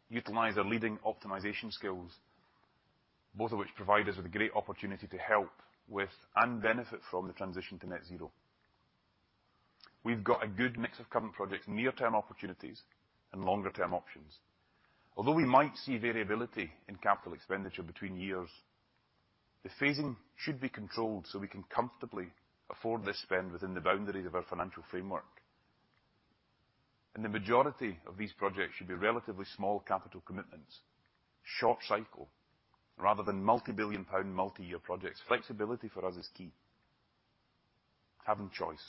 utilize our leading optimization skills, both of which provide us with a great opportunity to help with and benefit from the transition to net zero. We've got a good mix of current projects, near-term opportunities, and longer-term options. Although we might see variability in capital expenditure between years, the phasing should be controlled so we can comfortably afford this spend within the boundaries of our financial framework. The majority of these projects should be relatively small capital commitments, short cycle, rather than multi-billion-pound, multi-year projects. Flexibility for us is key. Having choice.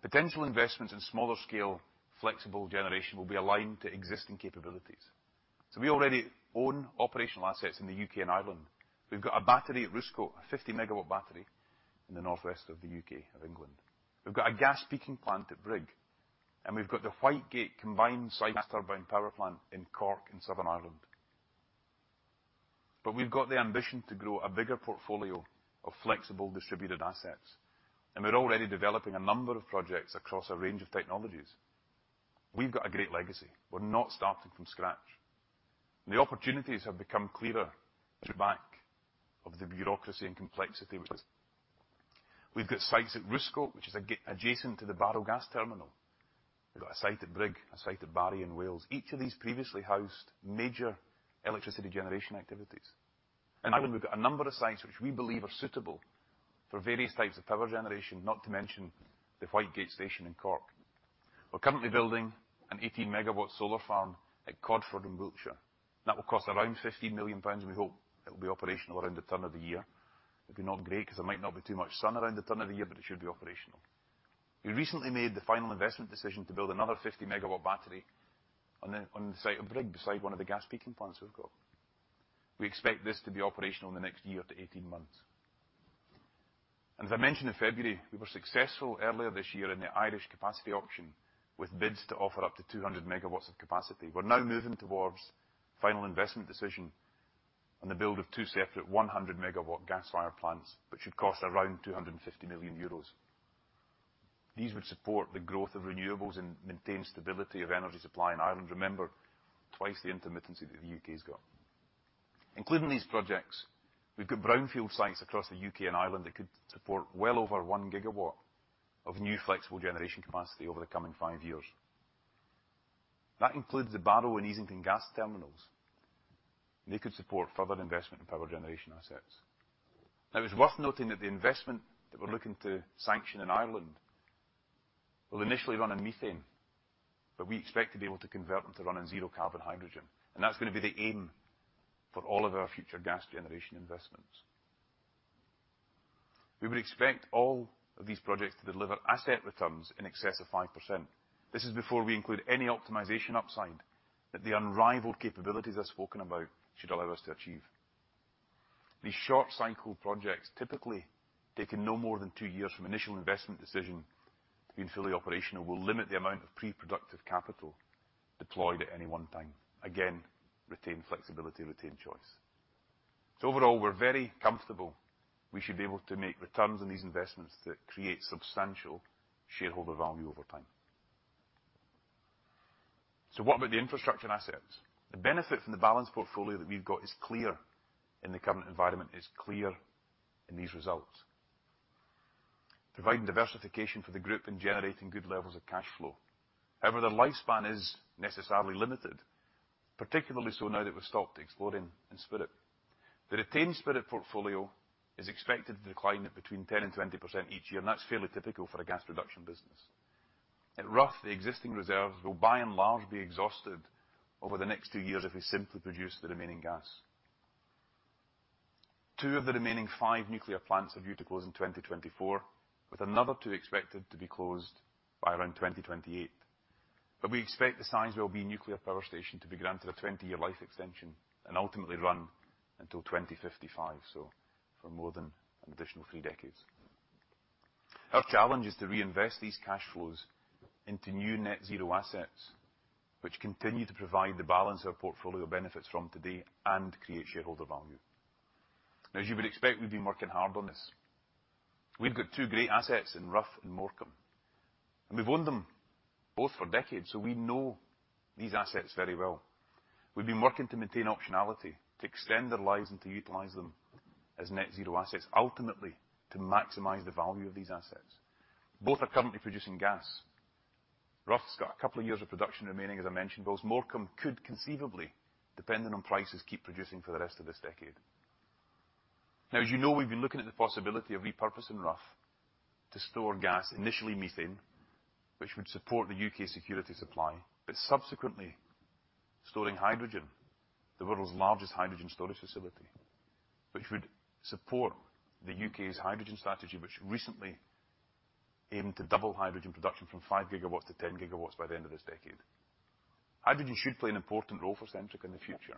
Potential investments in smaller scale, flexible generation will be aligned to existing capabilities. We already own operational assets in the U.K. and Ireland. We've got a battery at Roosecote, a 50 MW battery in the northwest of England. We've got a gas peaking plant at Brigg, and we've got the Whitegate combined cycle gas turbine power plant in Cork in Southern Ireland. We've got the ambition to grow a bigger portfolio of flexible distributed assets, and we're already developing a number of projects across a range of technologies. We've got a great legacy. We're not starting from scratch. The opportunities have become clearer through the lack of the bureaucracy and complexity. We've got sites at Roosecote, which is gas-adjacent to the Barrow Gas Terminal. We've got a site at Brigg, a site at Barry in Wales. Each of these previously housed major electricity generation activities. In Ireland, we've got a number of sites which we believe are suitable for various types of power generation, not to mention the Whitegate Station in Cork. We're currently building an 18 MW SoLR farm at Codford in Wiltshire. That will cost around 15 million pounds, and we hope it will be operational around the turn of the year. It'd be not great because there might not be too much sun around the turn of the year, but it should be operational. We recently made the final investment decision to build another 50 MW battery on the site of Brigg, beside one of the gas peaking plants we've got. We expect this to be operational in the next year to 18 months. As I mentioned in February, we were successful earlier this year in the Irish capacity auction with bids to offer up to 200 MW of capacity. We're now moving towards final investment decision on the build of two separate 100 MW gas-fired plants which should cost around 250 million euros. These would support the growth of renewables and maintain stability of energy supply in Ireland. Remember, twice the intermittency that the U.K. got. Including these projects, we've got brownfield sites across the U.K. and Ireland that could support well over 1 GW of new flexible generation capacity over the coming five years. That includes the Barrow and Easington gas terminals. They could support further investment in power generation assets. Now it's worth noting that the investment that we're looking to sanction in Ireland will initially run on methane, but we expect to be able to convert them to run on zero carbon hydrogen, and that's gonna be the aim for all of our future gas generation investments. We would expect all of these projects to deliver asset returns in excess of 5%. This is before we include any optimization upside that the unrivaled capabilities I've spoken about should allow us to achieve. These short-cycle projects, typically taking no more than two years from initial investment decision to being fully operational, will limit the amount of pre-productive capital deployed at any one time. Again, retain flexibility, retain choice. Overall, we're very comfortable we should be able to make returns on these investments that create substantial shareholder value over time. What about the infrastructure and assets? The benefit from the balanced portfolio that we've got is clear in the current environment, is clear in these results. Providing diversification for the group and generating good levels of cash flow. However, their lifespan is necessarily limited, particularly so now that we've stopped exploring in Spirit. The retained Spirit portfolio is expected to decline at between 10% and 20% each year, and that's fairly typical for a gas production business. At Rough, the existing reserves will by and large be exhausted over the next two years if we simply produce the remaining gas. Two of the remaining five nuclear plants are due to close in 2024, with another two expected to be closed by around 2028. We expect the Sizewell B nuclear power station to be granted a 20-year life extension and ultimately run until 2055, so for more than an additional three decades. Our challenge is to reinvest these cash flows into new net zero assets which continue to provide the balance our portfolio benefits from today and create shareholder value. Now, as you would expect, we've been working hard on this. We've got two great assets in Rough and Morecambe, and we've owned them both for decades, so we know these assets very well. We've been working to maintain optionality, to extend their lives, and to utilize them as net zero assets, ultimately to maximize the value of these assets. Both are currently producing gas. Rough's got a couple of years of production remaining, as I mentioned, while Morecambe could conceivably, depending on prices, keep producing for the rest of this decade. Now as you know, we've been looking at the possibility of repurposing Rough to store gas, initially methane, which would support the U.K. security supply, but subsequently storing hydrogen, the world's largest hydrogen storage facility, which would support the U.K. hydrogen strategy, which recently aimed to double hydrogen production from 5 GW-10 GW by the end of this decade. Hydrogen should play an important role for Centrica in the future,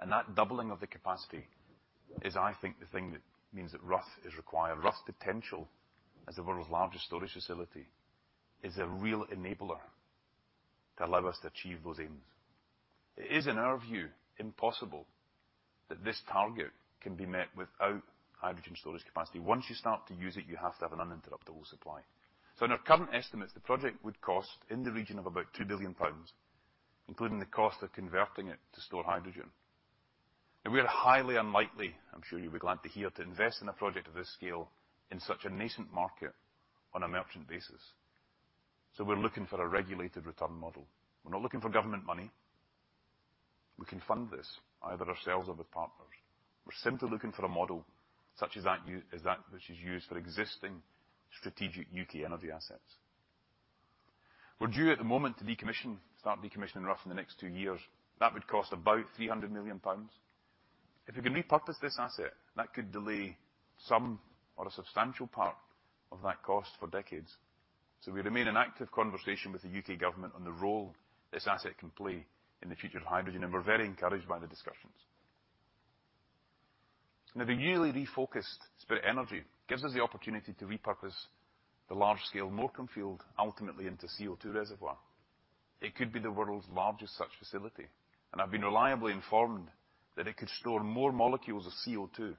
and that doubling of the capacity is, I think, the thing that means that Rough is required. Rough's potential as the world's largest storage facility is a real enabler to allow us to achieve those aims. It is, in our view, impossible that this target can be met without hydrogen storage capacity. Once you start to use it, you have to have an uninterruptible supply. In our current estimates, the project would cost in the region of about 2 billion pounds, including the cost of converting it to store hydrogen. We are highly unlikely, I'm sure you'll be glad to hear, to invest in a project of this scale in such a nascent market on a merchant basis. We're looking for a regulated return model. We're not looking for government money. We can fund this, either ourselves or with partners. We're simply looking for a model such as that which is used for existing strategic U.K. energy assets. We're due at the moment to start decommissioning Rough in the next two years. That would cost about 300 million pounds. If we can repurpose this asset, that could delay some or a substantial part of that cost for decades. We remain in active conversation with the U.K. government on the role this asset can play in the future of hydrogen, and we're very encouraged by the discussions. Now, the newly refocused Spirit Energy gives us the opportunity to repurpose the large-scale Morecambe field ultimately into CO2 reservoir. It could be the world's largest such facility, and I've been reliably informed that it could store more molecules of CO2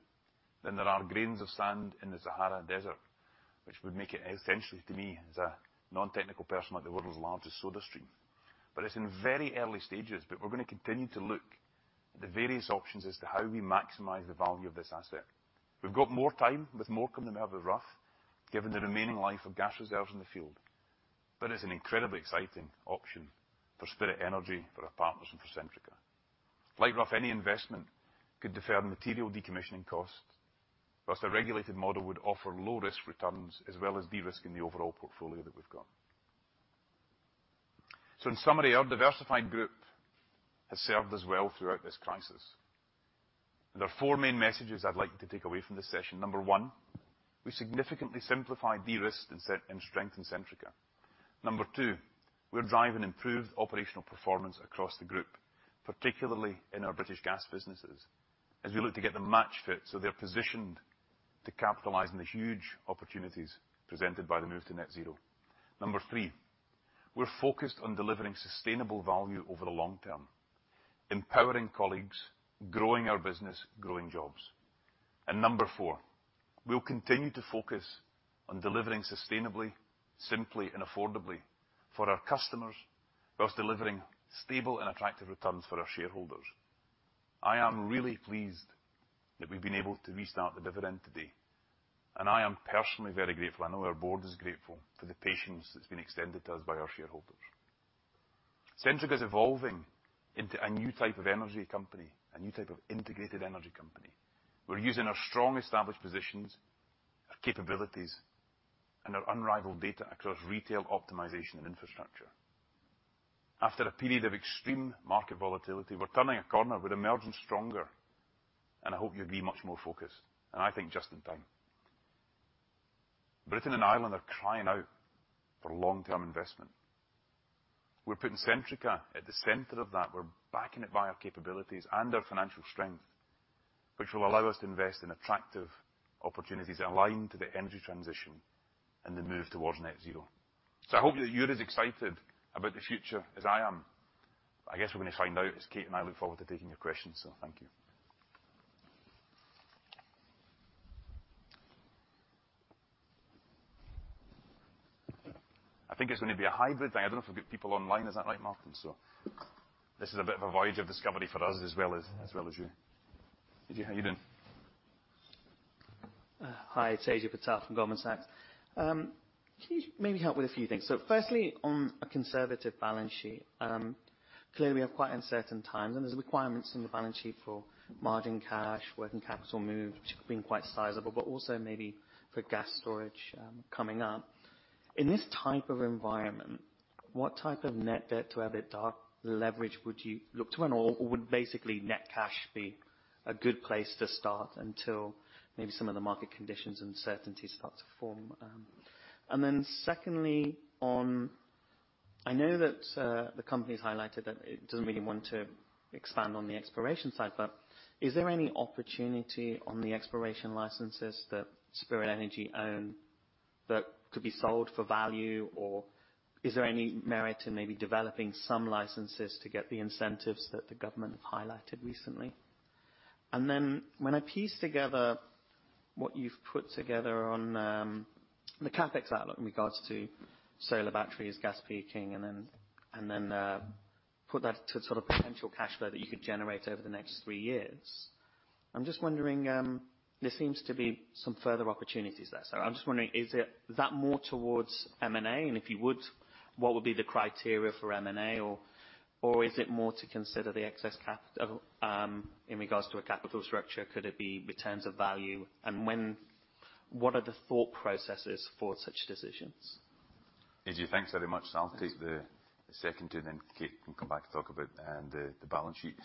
than there are grains of sand in the Sahara Desert, which would make it essentially, to me, as a non-technical person, like the world's largest SodaStream. It's in very early stages, but we're gonna continue to look at the various options as to how we maximize the value of this asset. We've got more time with Morecambe than we have with Rough, given the remaining life of gas reserves in the field. It's an incredibly exciting option for Spirit Energy, for our partners and for Centrica. Like Rough, any investment could defer material decommissioning costs, plus a regulated model would offer low-risk returns as well as de-risking the overall portfolio that we've got. In summary, our diversified group has served us well throughout this crisis. There are four main messages I'd like you to take away from this session. Number 1, we significantly simplify, de-risk, reset, and strengthen Centrica. Number 2, we're driving improved operational performance across the group, particularly in our British Gas businesses, as we look to get them match fit so they're positioned to capitalize on the huge opportunities presented by the move to net zero. Number 3, we're focused on delivering sustainable value over the long term, empowering colleagues, growing our business, growing jobs. Number 4, we'll continue to focus on delivering sustainably, simply and affordably for our customers, while delivering stable and attractive returns for our shareholders. I am really pleased that we've been able to restart the dividend today, and I am personally very grateful, I know our board is grateful, for the patience that's been extended to us by our Shareholders. Centrica is evolving into a new type of energy company, a new type of integrated energy company. We're using our strong established positions, our capabilities, and our unrivaled data across retail optimization and infrastructure. After a period of extreme market volatility, we're turning a corner. We're emerging stronger, and I hope you agree, much more focused, and I think just in time. Britain and Ireland are crying out for long-term investment. We're putting Centrica at the center of that. We're backing it by our capabilities and our financial strength, which will allow us to invest in attractive opportunities aligned to the energy transition and the move towards net zero. I hope that you're as excited about the future as I am. I guess we're gonna find out as Kate and I look forward to taking your questions. Thank you. I think it's gonna be a hybrid thing. I don't know if we've got people online. Is that right, Martin? This is a bit of a voyage of discovery for us as well as you. Ajay, how you doing? Hi, it's Ajay Patel from Goldman Sachs. Can you maybe help with a few things? Firstly, on a conservative balance sheet, clearly we have quite uncertain times, and there's requirements in the balance sheet for margin cash, working capital move, which have been quite sizable, but also maybe for gas storage, coming up. In this type of environment, what type of net debt to EBITDA leverage would you look to? And/or would basically net cash be a good place to start until maybe some of the market conditions and certainties start to form? Then secondly on, I know that, the company's highlighted that it doesn't really want to expand on the exploration side, but is there any opportunity on the exploration licenses that Spirit Energy own that could be sold for value? Is there any merit in maybe developing some licenses to get the incentives that the government have highlighted recently? When I piece together what you've put together on the CapEx outlook in regards to SoLR batteries, gas peaking, and then put that to sort of potential cash flow that you could generate over the next three years, I'm just wondering, there seems to be some further opportunities there. I'm just wondering, is it, is that more towards M&A? And if you would, what would be the criteria for M&A? Is it more to consider the excess CapEx in regards to a capital structure, could it be returns of value? What are the thought processes for such decisions? Ajay, thanks very much. I'll take the second two, then Kate can come back and talk about the balance sheet.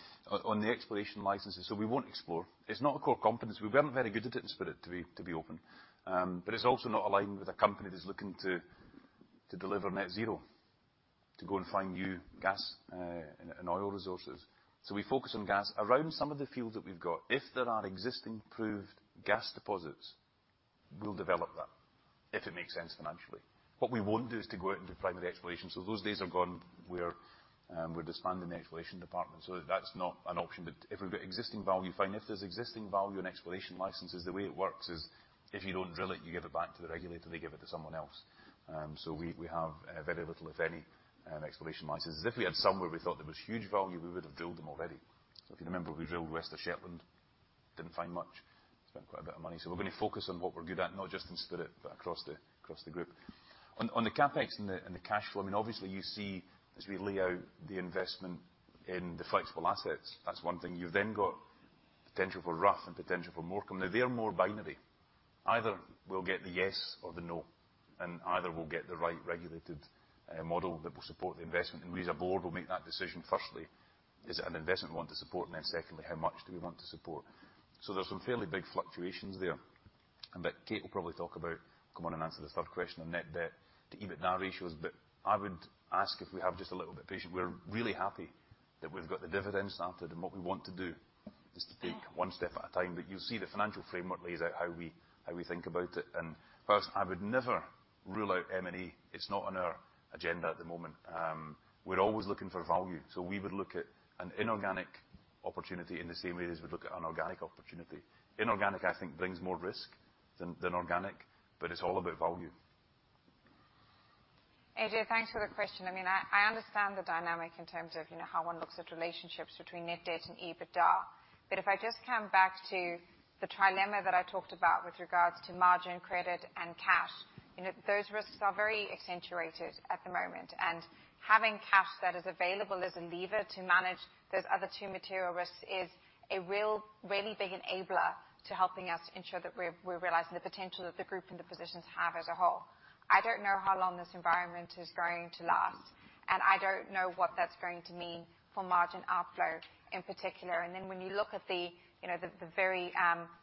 On the exploration licenses, we won't explore. It's not a core competence. We weren't very good at it in Spirit, to be open. But it's also not aligned with a company that's looking to deliver net zero to go and find new gas and oil resources. We focus on gas. Around some of the fields that we've got, if there are existing proved gas deposits, we'll develop them, if it makes sense financially. What we won't do is to go out into primary exploration, those days are gone. We're disbanding the exploration department, that's not an option. But if we've got existing value, fine. If there's existing value in exploration licenses, the way it works is if you don't drill it, you give it back to the regulator, they give it to someone else. We have very little, if any, exploration licenses. If we had some where we thought there was huge value, we would have drilled them already. If you remember, we drilled West of Shetland. Didn't find much. Spent quite a bit of money. We're gonna focus on what we're good at, not just in Spirit, but across the group. On the CapEx and the cash flow, I mean, obviously you see as we lay out the investment in the flexible assets, that's one thing. You've then got potential for Rough and potential for Morecambe. Now they're more binary. Either we'll get the yes or the no, and either we'll get the right regulated model that will support the investment. We as a board will make that decision. Firstly, is it an investment we want to support? Then secondly, how much do we want to support? There's some fairly big fluctuations there, but Kate will probably talk about, come on and answer the third question on net debt to EBITDA ratios. I would ask if we have just a little bit patience. We're really happy that we've got the dividend started, and what we want to do is to take one step at a time. You'll see the financial framework lays out how we think about it. First, I would never rule out M&A. It's not on our agenda at the moment. We're always looking for value, so we would look at an inorganic opportunity in the same way as we look at an organic opportunity. Inorganic, I think, brings more risk than organic, but it's all about value. Ajay, thanks for the question. I mean, I understand the dynamic in terms of, you know, how one looks at relationships between net debt and EBITDA. If I just come back to the trilemma that I talked about with regards to margin, credit, and cash, you know, those risks are very accentuated at the moment. Having cash that is available as a lever to manage those other two material risks is a real really big enabler to helping us ensure that we're realizing the potential that the group and the positions have as a whole. I don't know how long this environment is going to last, and I don't know what that's going to mean for margin outflow in particular. When you look at the, you know, the very,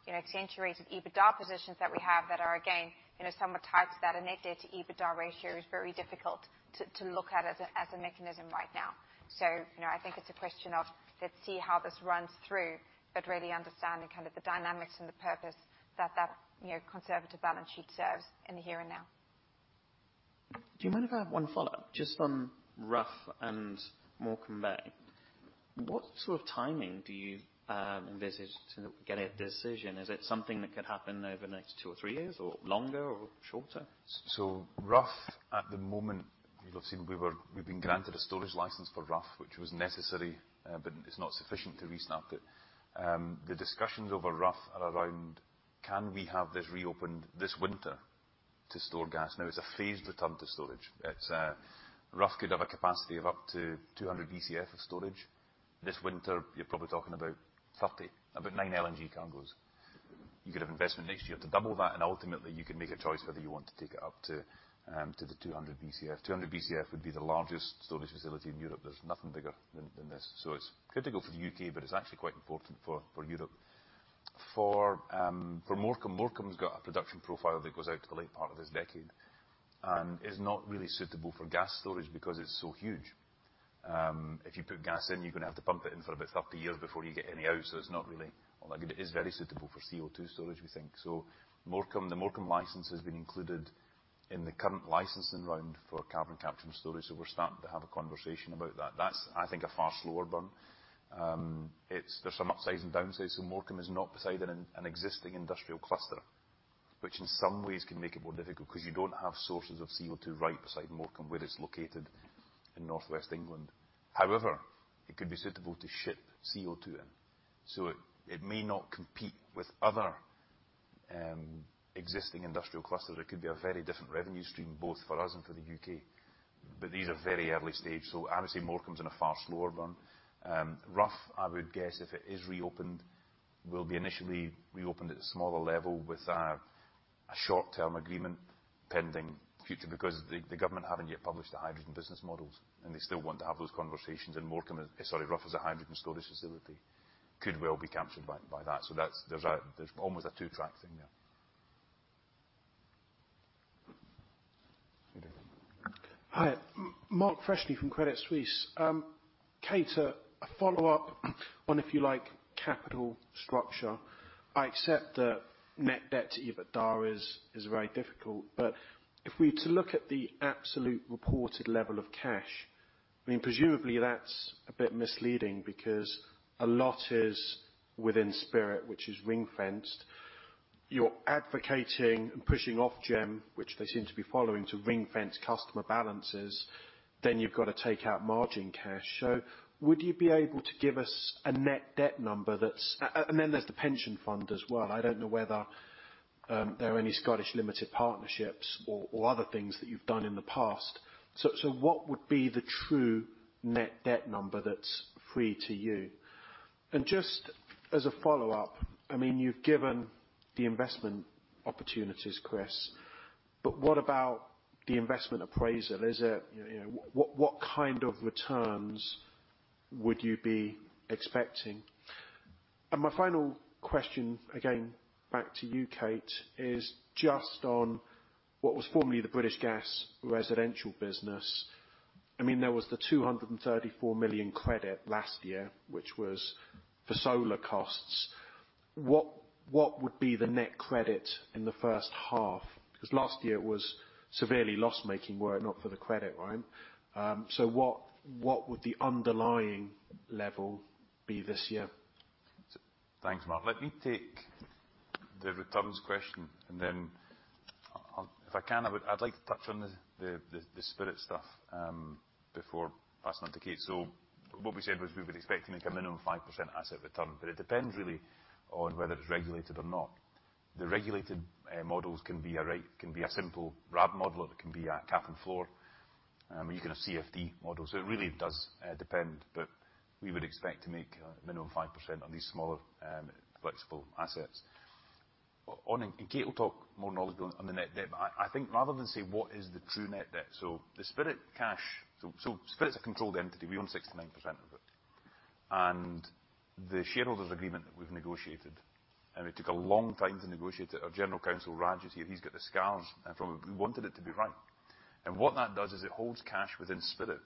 you know, accentuated EBITDA positions that we have that are, again, you know, somewhat tied to that net debt to EBITDA ratio is very difficult to look at as a mechanism right now. You know, I think it's a question of let's see how this runs through, but really understanding kind of the dynamics and the purpose that, you know, conservative balance sheet serves in the here and now. Do you mind if I have one follow-up? Just on Rough and Morecambe Bay. What sort of timing do you envisage to get a decision? Is it something that could happen over the next two or three years, or longer or shorter? Rough at the moment, you'll have seen we've been granted a storage license for Rough, which was necessary, but it's not sufficient to restart it. The discussions over Rough are around can we have this reopened this winter to store gas? Now, it's a phased return to storage. It's Rough could have a capacity of up to 200 BCF of storage. This winter you're probably talking about 30, about 9 LNG cargos. You could have investment next year to double that, and ultimately you can make a choice whether you want to take it up to the 200 BCF. 200 BCF would be the largest storage facility in Europe. There's nothing bigger than this. It's critical for the U.K., but it's actually quite important for Europe. For Morecambe's got a production profile that goes out to the late part of this decade, and is not really suitable for gas storage because it's so huge. If you put gas in, you're gonna have to pump it in for about 30 years before you get any out. It's not really all that good. It is very suitable for CO2 storage, we think. The Morecambe license has been included in the current licensing round for carbon capture and storage, so we're starting to have a conversation about that. That's, I think, a far slower run. There's some upsides and downsides. Morecambe is not beside an existing industrial cluster, which in some ways can make it more difficult 'cause you don't have sources of CO2 right beside Morecambe where it's located in northwest England. However, it could be suitable to ship CO2 in, so it may not compete with other existing industrial clusters. It could be a very different revenue stream, both for us and for the U.K. These are very early stage. I would say Morecambe's on a far slower run. Rough, I would guess, if it is reopened, will be initially reopened at a smaller level with a short-term agreement pending future because the government haven't yet published the hydrogen business models, and they still want to have those conversations in Rough as a hydrogen storage facility could well be captured by that. That's almost a two track thing there. Hi. Mark Freshney from Credit Suisse. Kate, a follow-up on, if you like, capital structure. I accept that net debt to EBITDA is very difficult, but if we were to look at the absolute reported level of cash, I mean, presumably that's a bit misleading because a lot is within Spirit, which is ring-fenced. You're advocating and pushing Ofgem, which they seem to be following, to ring-fence customer balances, then you've got to take out margin cash. Would you be able to give us a net debt number? And then there's the pension fund as well. I don't know whether there are any Scottish limited partnerships or other things that you've done in the past. What would be the true net debt number that's free to you? Just as a follow-up, I mean, you've given the investment opportunities, Chris, but what about the investment appraisal? Is it, you know, what kind of returns would you be expecting? My final question, again back to you, Kate, is just on what was formerly the British Gas residential business. I mean, there was the 234 million credit last year, which was for SoLR costs. What would be the net credit in the first half? 'Cause last year it was severely loss-making were it not for the credit, right? So what would the underlying level be this year? Thanks, Mark. Let me take the returns question, and then, if I can, I'd like to touch on the Spirit stuff before passing on to Kate. What we said was we would expect to make a minimum 5% asset return, but it depends really on whether it's regulated or not. The regulated models can be a rate, can be a simple RAB model, it can be a cap and floor, you can have CFD models. It really does depend, but we would expect to make minimum 5% on these smaller flexible assets. And Kate will talk more on the net debt. I think rather than say what is the true net debt. The Spirit's cash. Spirit's a controlled entity. We own 69% of it. The shareholders agreement that we've negotiated, and it took a long time to negotiate it. Our General Counsel, Raj, is here. He's got the scars from it. We wanted it to be right. What that does is it holds cash within Spirit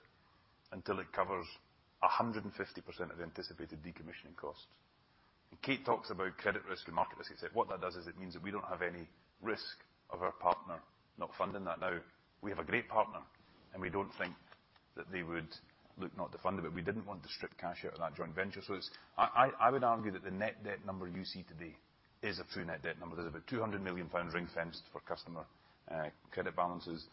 until it covers 150% of the anticipated decommissioning costs. Kate talks about credit risk and market risk. What that does is it means that we don't have any risk of our partner not funding that. Now, we have a great partner, and we don't think that they would look not to fund it, but we didn't want to strip cash out of that joint venture. I would argue that the net debt number you see today is a true net debt number. There's about 200 million pounds ring-fenced for customer credit balances.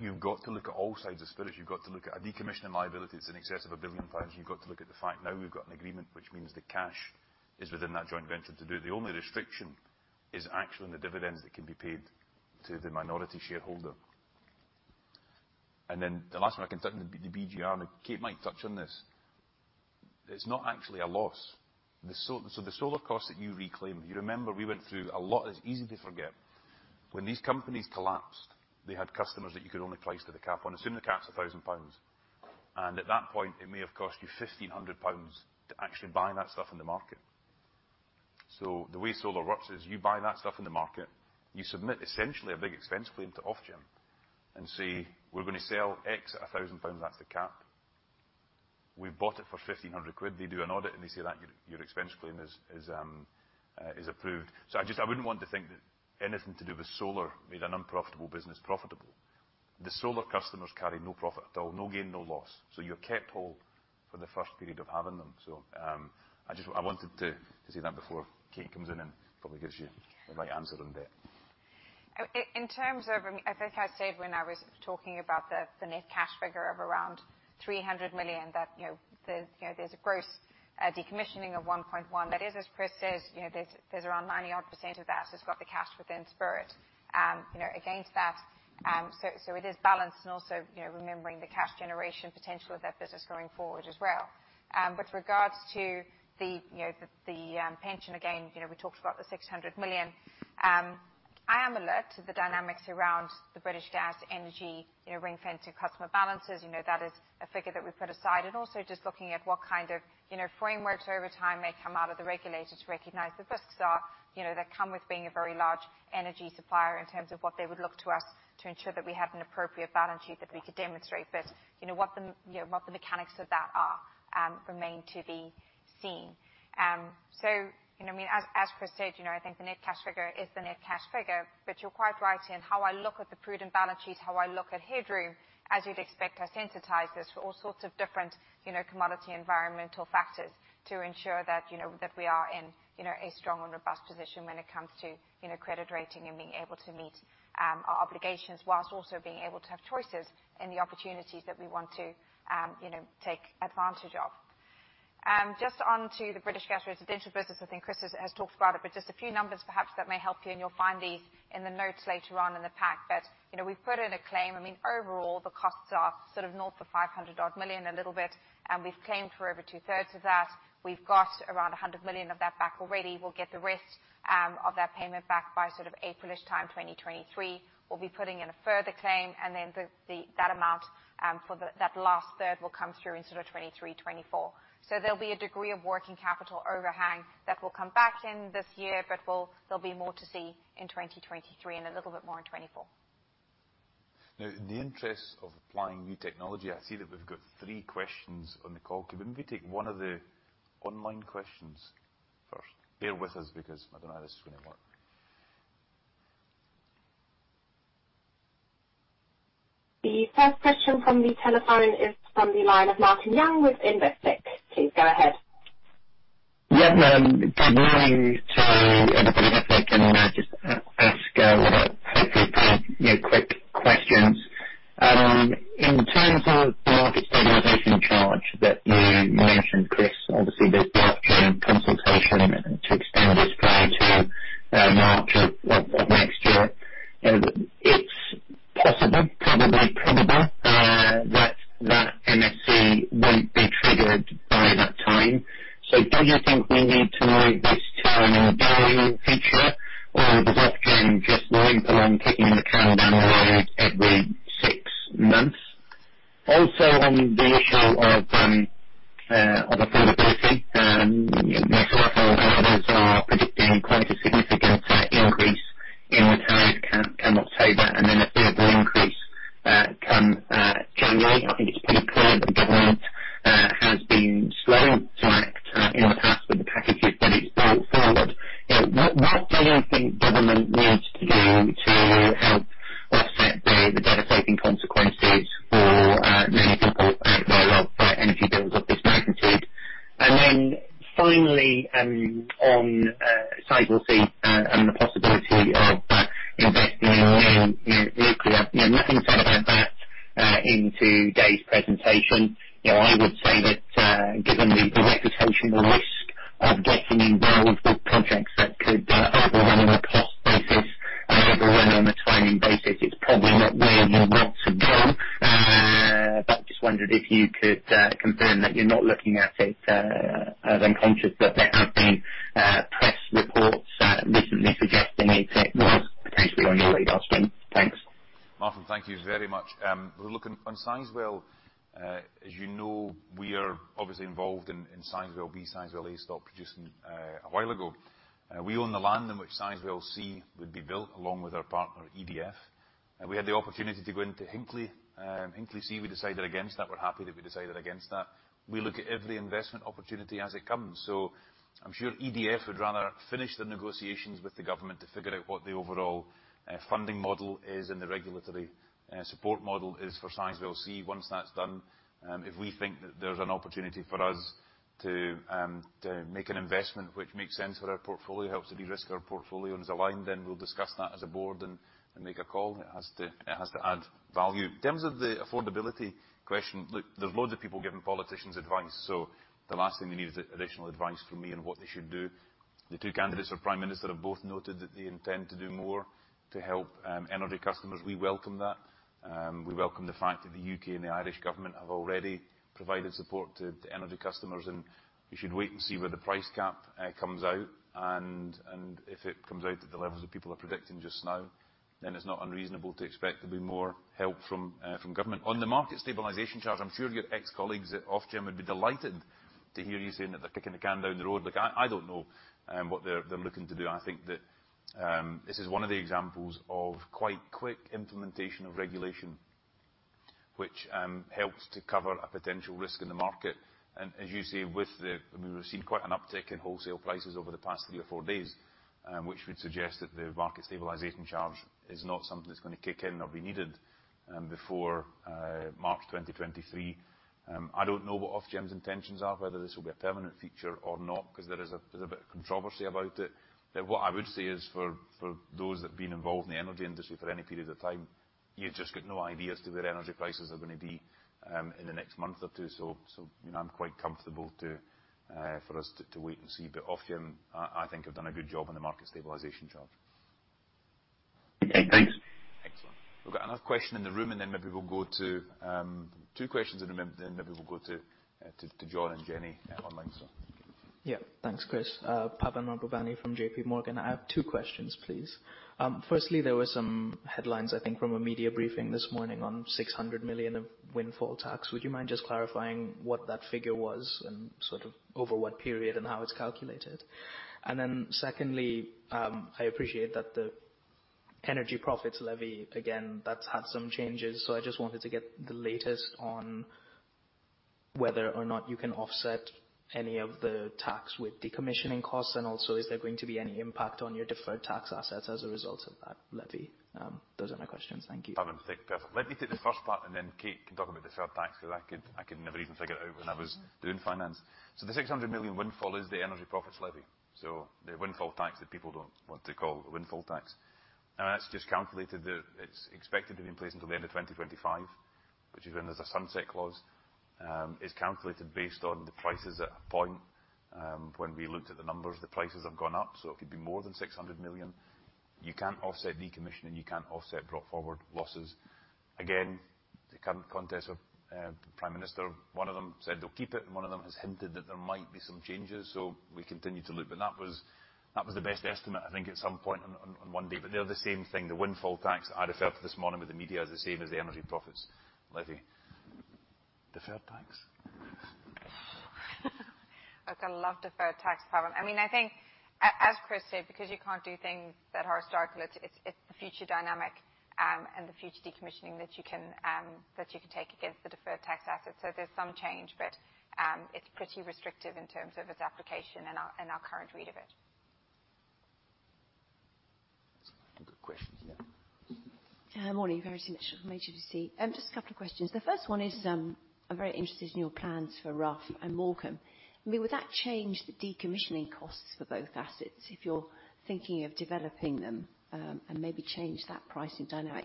You've got to look at all sides of Spirit. You've got to look at a decommissioning liability that's in excess of 1 billion pounds. You've got to look at the fact now we've got an agreement, which means the cash is within that joint venture to do it. The only restriction is actually on the dividends that can be paid to the minority shareholder. Then the last one I can touch on, the BGE, and Kate might touch on this. It's not actually a loss. The SoLR costs that you reclaim, you remember we went through a lot. It's easy to forget. When these companies collapsed, they had customers that you could only price to the cap. Assume the cap's 1,000 pounds, and at that point, it may have cost you 1,500 pounds to actually buy that stuff in the market. The way SoLR works is you buy that stuff in the market, you submit essentially a big expense claim to Ofgem and say, "We're gonna sell X at 1,000 pounds." That's the cap. We've bought it for 1,500 quid. They do an audit, and they say that your expense claim is approved. I just wouldn't want to think that anything to do with SoLR made an unprofitable business profitable. The SoLR customers carry no profit at all, no gain, no loss. You're kept whole for the first period of having them. I just wanted to say that before Kate comes in and probably gives you the right answer on debt. In terms of, I mean, I think I said when I was talking about the net cash figure of around 300 million that, you know, there, you know, there's a gross decommissioning of $1.1 billion. That is, as Chris says, you know, there's around 90-odd% of that, so it's got the cash within Spirit. You know, against that, so it is balanced and also, you know, remembering the cash generation potential of that business going forward as well. With regards to the, you know, the pension, again, you know, we talked about the 600 million. I am alert to the dynamics around the British Gas Energy, you know, ring-fenced to customer balances. You know, that is a figure that we've put aside. Also just looking at what kind of, you know, frameworks over time may come out of the regulators to recognize the risks are, you know, that come with being a very large energy supplier in terms of what they would look to us to ensure that we have an appropriate balance sheet that we could demonstrate. You know, what the, you know, what the mechanics of that are, remain to be seen. You know, I mean, as Chris said, you know, I think the net cash figure is the net cash figure, but you're quite right in how I look at the prudent balance sheet, how I look at headroom. As you'd expect, I sensitize this for all sorts of different, you know, commodity environmental factors to ensure that, you know, that we are in, you know, a strong and robust position when it comes to, you know, credit rating and being able to meet our obligations, while also being able to have choices in the opportunities that we want to, you know, take advantage of. Just onto the British Gas Residential business. I think Chris has talked about it, but just a few numbers perhaps that may help you, and you'll find these in the notes later on in the pack. You know, we've put in a claim. I mean, overall, the costs are sort of north of 500 million, a little bit, and we've claimed for over 2/3 of that. We've got around 100 million of that back already. We'll get the rest of that payment back by sort of April-ish time, 2023. We'll be putting in a further claim, and then that amount for that last third will come through in sort of 2023-2024. There'll be a degree of working capital overhang that will come back in this year. There'll be more to see in 2023 and a little bit more in 2024. Now, in the interest of applying new technology, I see that we've got three questions on the call. Can we maybe take one of the online questions first? Bear with us because I don't know how this is gonna work. The first question from the telephone is from the line of Martin Young with Investec. Please go ahead. Yeah. Good morning to everybody. If I can just ask a lot of hopefully three, you know, quick questions. In terms of the market stabilization charge that you mentioned, Chris, obviously there's the Ofgem consultation to extend this through to March of next year. It's possible, probably probable, that that MSC won't be triggered by that time. So do you think we need to move this to an annual feature, or does Ofgem just move along, kicking the can down the road every six months? Also, on the issue of affordability, you know, Shell and others are predicting quite a significant to make an investment which makes sense for our portfolio, helps to de-risk our portfolio and is aligned, then we'll discuss that as a board and make a call. It has to add value. In terms of the affordability question, look, there's loads of people giving politicians advice, so the last thing they need is additional advice from me on what they should do. The two candidates for Prime Minister have both noted that they intend to do more to help energy customers. We welcome that. We welcome the fact that the U.K. and the Irish government have already provided support to energy customers, and we should wait and see where the price cap comes out. If it comes out at the levels that people are predicting just now, then it's not unreasonable to expect there'll be more help from government. On the Market Stabilization Charge, I'm sure your ex-colleagues at Ofgem would be delighted to hear you saying that they're kicking the can down the road. Look, I don't know what they're looking to do. I think that this is one of the examples of quite quick implementation of regulation, which helps to cover a potential risk in the market. As you say, I mean, we've seen quite an uptick in wholesale prices over the past three or four days, which would suggest that the Market Stabilization Charge is not something that's gonna kick in or be needed before March 2023. I don't know what Ofgem's intentions are, whether this will be a permanent feature or not, 'cause there's a bit of controversy about it. What I would say is for those that have been involved in the energy industry for any period of time, you just got no idea as to where energy prices are gonna be in the next month or two. You know, I'm quite comfortable for us to wait and see. Ofgem, I think have done a good job on the Market Stabilisation Charge. Okay, thanks. Excellent. We've got another question in the room, and then maybe we'll go to two questions and then maybe we'll go to John and Jenny online, so. Yeah. Thanks, Chris. Pavan Mahbubani from JPMorgan. I have two questions, please. Firstly, there were some headlines, I think from a media briefing this morning, on 600 million of windfall tax. Would you mind just clarifying what that figure was and sort of over what period and how it's calculated? Secondly, I appreciate that the Energy Profits Levy, again, that's had some changes. I just wanted to get the latest on whether or not you can offset any of the tax with decommissioning costs. Also, is there going to be any impact on your deferred tax assets as a result of that Levy? Those are my questions. Thank you. Pavan, Perfect. Let me take the first part, and then Kate can talk about deferred tax, 'cause I could never even figure it out when I was doing finance. The 600 million windfall is the Energy Profits Levy, so the windfall tax that people don't want to call windfall tax. That's just calculated that it's expected to be in place until the end of 2025, which is when there's a sunset clause. It's calculated based on the prices at a point, when we looked at the numbers, the prices have gone up, so it could be more than 600 million. You can't offset decommissioning, you can't offset brought forward losses. Again, the current context of the Prime Minister, one of them said they'll keep it, and one of them has hinted that there might be some changes, so we continue to look. That was the best estimate, I think, at some point on one day. They're the same thing. The windfall tax I referred to this morning with the media is the same as the Energy Profits Levy. Deferred tax? Look, I love deferred tax, Pavan. I mean, I think as Chris said, because you can't do things that are historical, it's the future dynamic, and the future decommissioning that you can take against the deferred tax asset. There's some change, but it's pretty restrictive in terms of its application and our current read of it. That's fine. Good questions. Yeah. Morning, very much. Verity Mitchell from HSBC. Just a couple of questions. The first one is, I'm very interested in your plans for Rough and Morecambe. I mean, would that change the decommissioning costs for both assets if you're thinking of developing them, and maybe change that pricing dynamic?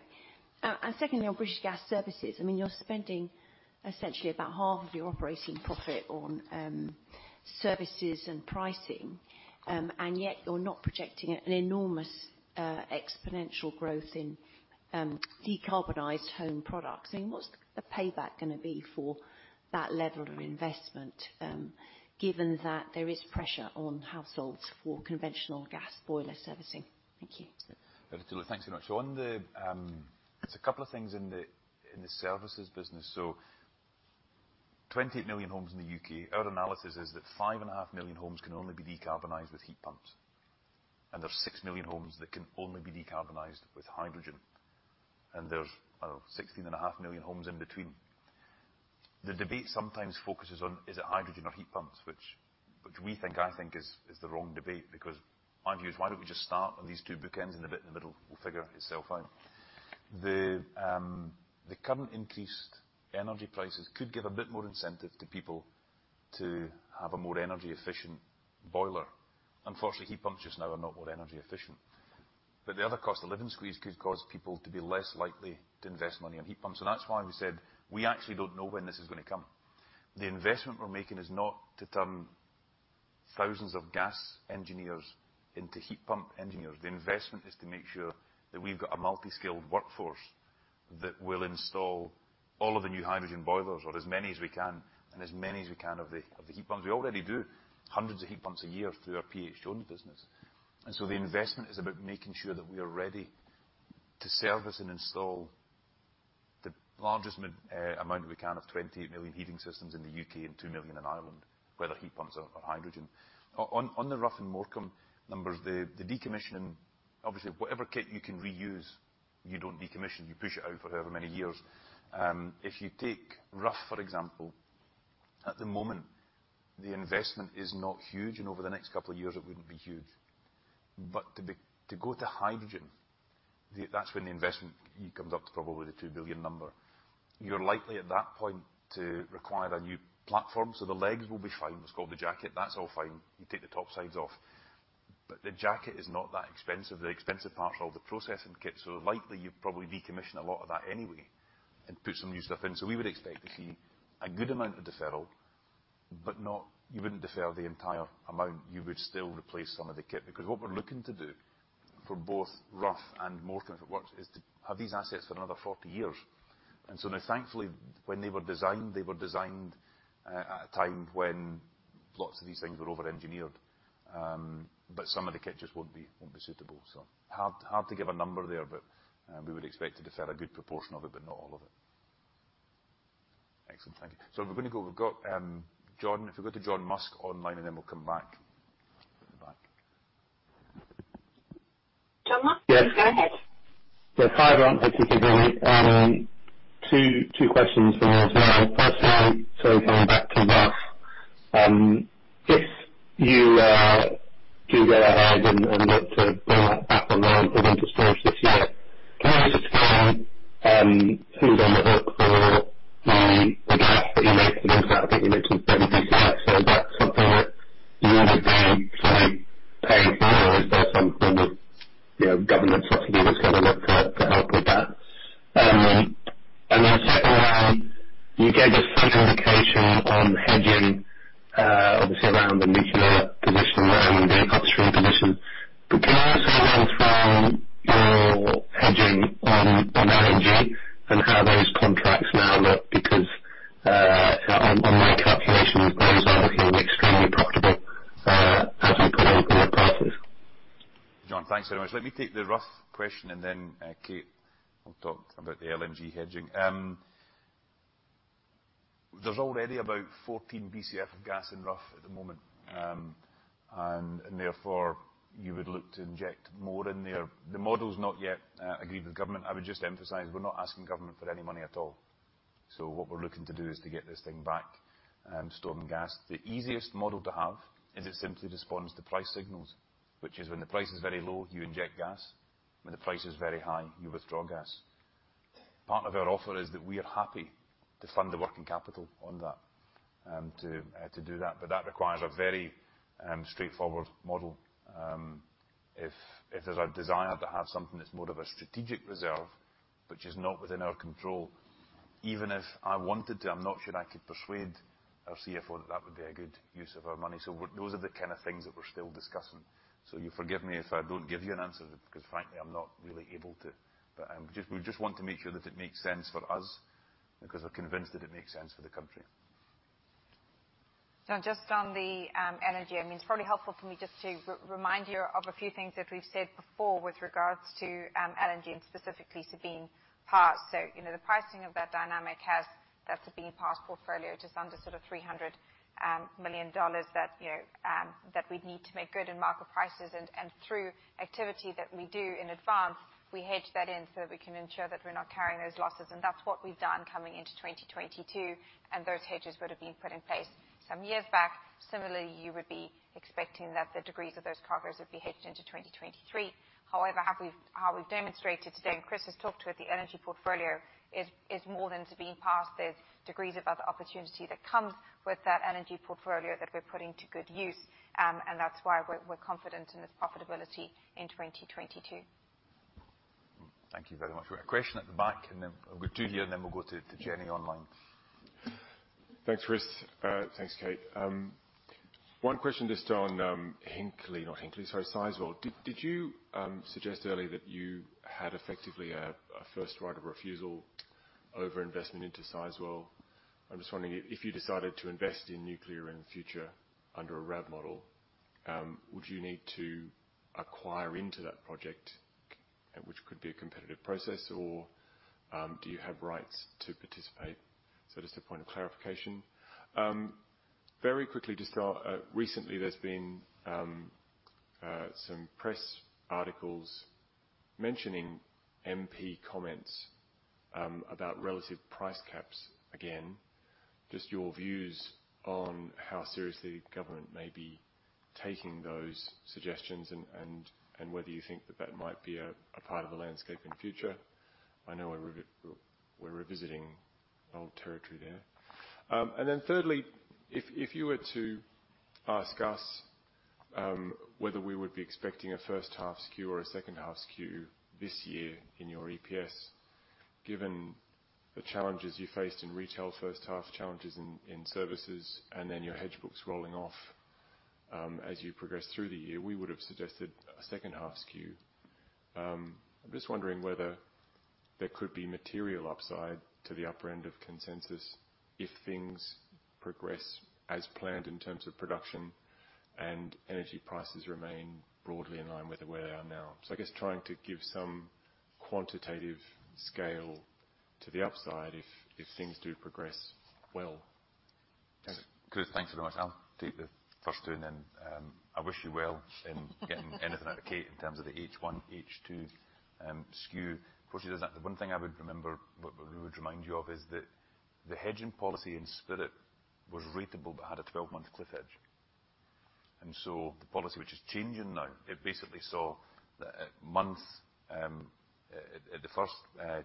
Secondly, on British Gas Services, I mean, you're spending essentially about half of your operating profit on services and pricing, and yet you're not projecting an enormous exponential growth in decarbonized home products. I mean, what's the payback gonna be for that level of investment, given that there is pressure on households for conventional gas boiler servicing? Thank you. Very truly. Thanks very much. On the, there's a couple of things in the services business. Twenty-eight million homes in the U.K., our analysis is that 5.5 million homes can only be decarbonized with heat pumps, and there's 6 million homes that can only be decarbonized with hydrogen, and there's, I don't know, 16.5 million homes in between. The debate sometimes focuses on is it hydrogen or heat pumps, which we think is the wrong debate, because my view is why don't we just start on these two bookends, and the bit in the middle will figure itself out. The current increased energy prices could give a bit more incentive to people to have a more energy efficient boiler. Unfortunately, heat pumps just now are not more energy efficient. The other cost of living squeeze could cause people to be less likely to invest money on heat pumps. That's why we said we actually don't know when this is gonna come. The investment we're making is not to turn thousands of gas engineers into heat pump engineers. The investment is to make sure that we've got a multi-skilled workforce that will install all of the new hydrogen boilers or as many as we can, and as many as we can of the heat pumps. We already do hundreds of heat pumps a year through our PH Jones business. The investment is about making sure that we are ready to service and install the largest amount we can of 20 million heating systems in the U.K. and 2 million in Ireland, whether heat pumps or hydrogen. On the Rough and Morecambe numbers, the decommissioning, obviously, whatever kit you can reuse, you don't decommission, you push it out for however many years. If you take Rough, for example, at the moment, the investment is not huge, and over the next couple of years, it wouldn't be huge. To go to hydrogen, that's when the investment comes up to probably the 2 billion number. You're likely at that point to require a new platform, so the legs will be fine. What's called the jacket, that's all fine. You take the topsides off. The jacket is not that expensive. The expensive part is all the processing kit. Likely you probably decommission a lot of that anyway and put some new stuff in. We would expect to see a good amount of deferral, but not. You wouldn't defer the entire amount. You would still replace some of the kit because what we're looking to do for both Rough and Morecambe, if it works, is to have these assets for another 40 years. Now, thankfully, when they were designed, they were designed at a time when lots of these things were overengineered. But some of the kit just won't be suitable. Hard to give a number there, but we would expect to defer a good proportion of it, but not all of it. Excellent. Thank you. We're gonna go. We've got John. If we go to John Musk online, and then we'll come back at the back. John Musk. Yes. Go ahead. Yeah. Hi, everyone. Thanks for taking it. Two questions from me as well. Firstly, coming back to Rough. If you do go ahead and look to bring that back online for winter storage this year, can you just confirm who's on the hook for the investment you make for that? I think you mentioned 30 BCF. Is that something that you would be sort of paying for, or is there some form of, you know, government subsidy that's gonna look to help with that? And then secondly, you gave us some indication on hedging, obviously around the nuclear position there and the upstream position. Can I also understand your hedging on LNG and how those contracts now look? Because, on my calculations, those are looking extremely profitable, as you put up your prices. John, thanks very much. Let me take the Rough question, and then Kate will talk about the LNG hedging. There's already about 14 BCF of gas in Rough at the moment. Therefore, you would look to inject more in there. The model's not yet agreed with government. I would just emphasize, we're not asking government for any money at all. What we're looking to do is to get this thing back storing gas. The easiest model to have is it simply responds to price signals, which is when the price is very low, you inject gas. When the price is very high, you withdraw gas. Part of our offer is that we are happy to fund the working capital on that to do that. That requires a very straightforward model. If there's a desire to have something that's more of a strategic reserve, which is not within our control, even if I wanted to, I'm not sure I could persuade our CFO that that would be a good use of our money. Those are the kind of things that we're still discussing. You forgive me if I don't give you an answer because frankly, I'm not really able to. We just want to make sure that it makes sense for us because we're convinced that it makes sense for the country. John, just on the energy, I mean, it's probably helpful for me just to remind you of a few things that we've said before with regards to LNG and specifically Sabine Pass. You know, the pricing of that dynamic has, that Sabine Pass portfolio, just under sort of $300 million that we'd need to make good in market prices. And through activity that we do in advance, we hedge that in so we can ensure that we're not carrying those losses. And that's what we've done coming into 2022, and those hedges would have been put in place some years back. Similarly, you would be expecting that the degrees of those covers would be hedged into 2023. However, how we've demonstrated today, and Chris has talked with the energy portfolio, is more than Sabine Pass. There's degrees of other opportunity that comes with that energy portfolio that we're putting to good use, and that's why we're confident in its profitability in 2022. Thank you very much. We have a question at the back, and then we've got two here, and then we'll go to Jenny online. Thanks, Chris. Thanks, Kate. One question just on Hinkley. Not Hinkley, sorry, Sizewell. Did you suggest earlier that you had effectively a first right of refusal over investment into Sizewell? I'm just wondering if you decided to invest in nuclear in the future under a RAB model, would you need to acquire into that project, which could be a competitive process, or do you have rights to participate? So just a point of clarification. Very quickly, just recently there's been some press articles mentioning MP comments about retail price caps again, just your views on how seriously government may be taking those suggestions and whether you think that that might be a part of the landscape in future. I know we're revisiting old territory there. Thirdly, if you were to ask us whether we would be expecting a first half skew or a second half skew this year in your EPS, given the challenges you faced in retail first half, challenges in services, and then your hedge books rolling off as you progress through the year, we would have suggested a second half skew. I'm just wondering whether there could be material upside to the upper end of consensus if things progress as planned in terms of production and energy prices remain broadly in line with where they are now. I guess trying to give some quantitative scale to the upside if things do progress well. Good. Thank you very much. I'll take the first two, and then I wish you well in getting anything out of Kate in terms of the H1, H2 skew. Of course, there's that. The one thing I would remember, what we would remind you of is that the hedging policy in Spirit was ratable but had a 12-month cliff hedge. The policy which is changing now, it basically said that at the first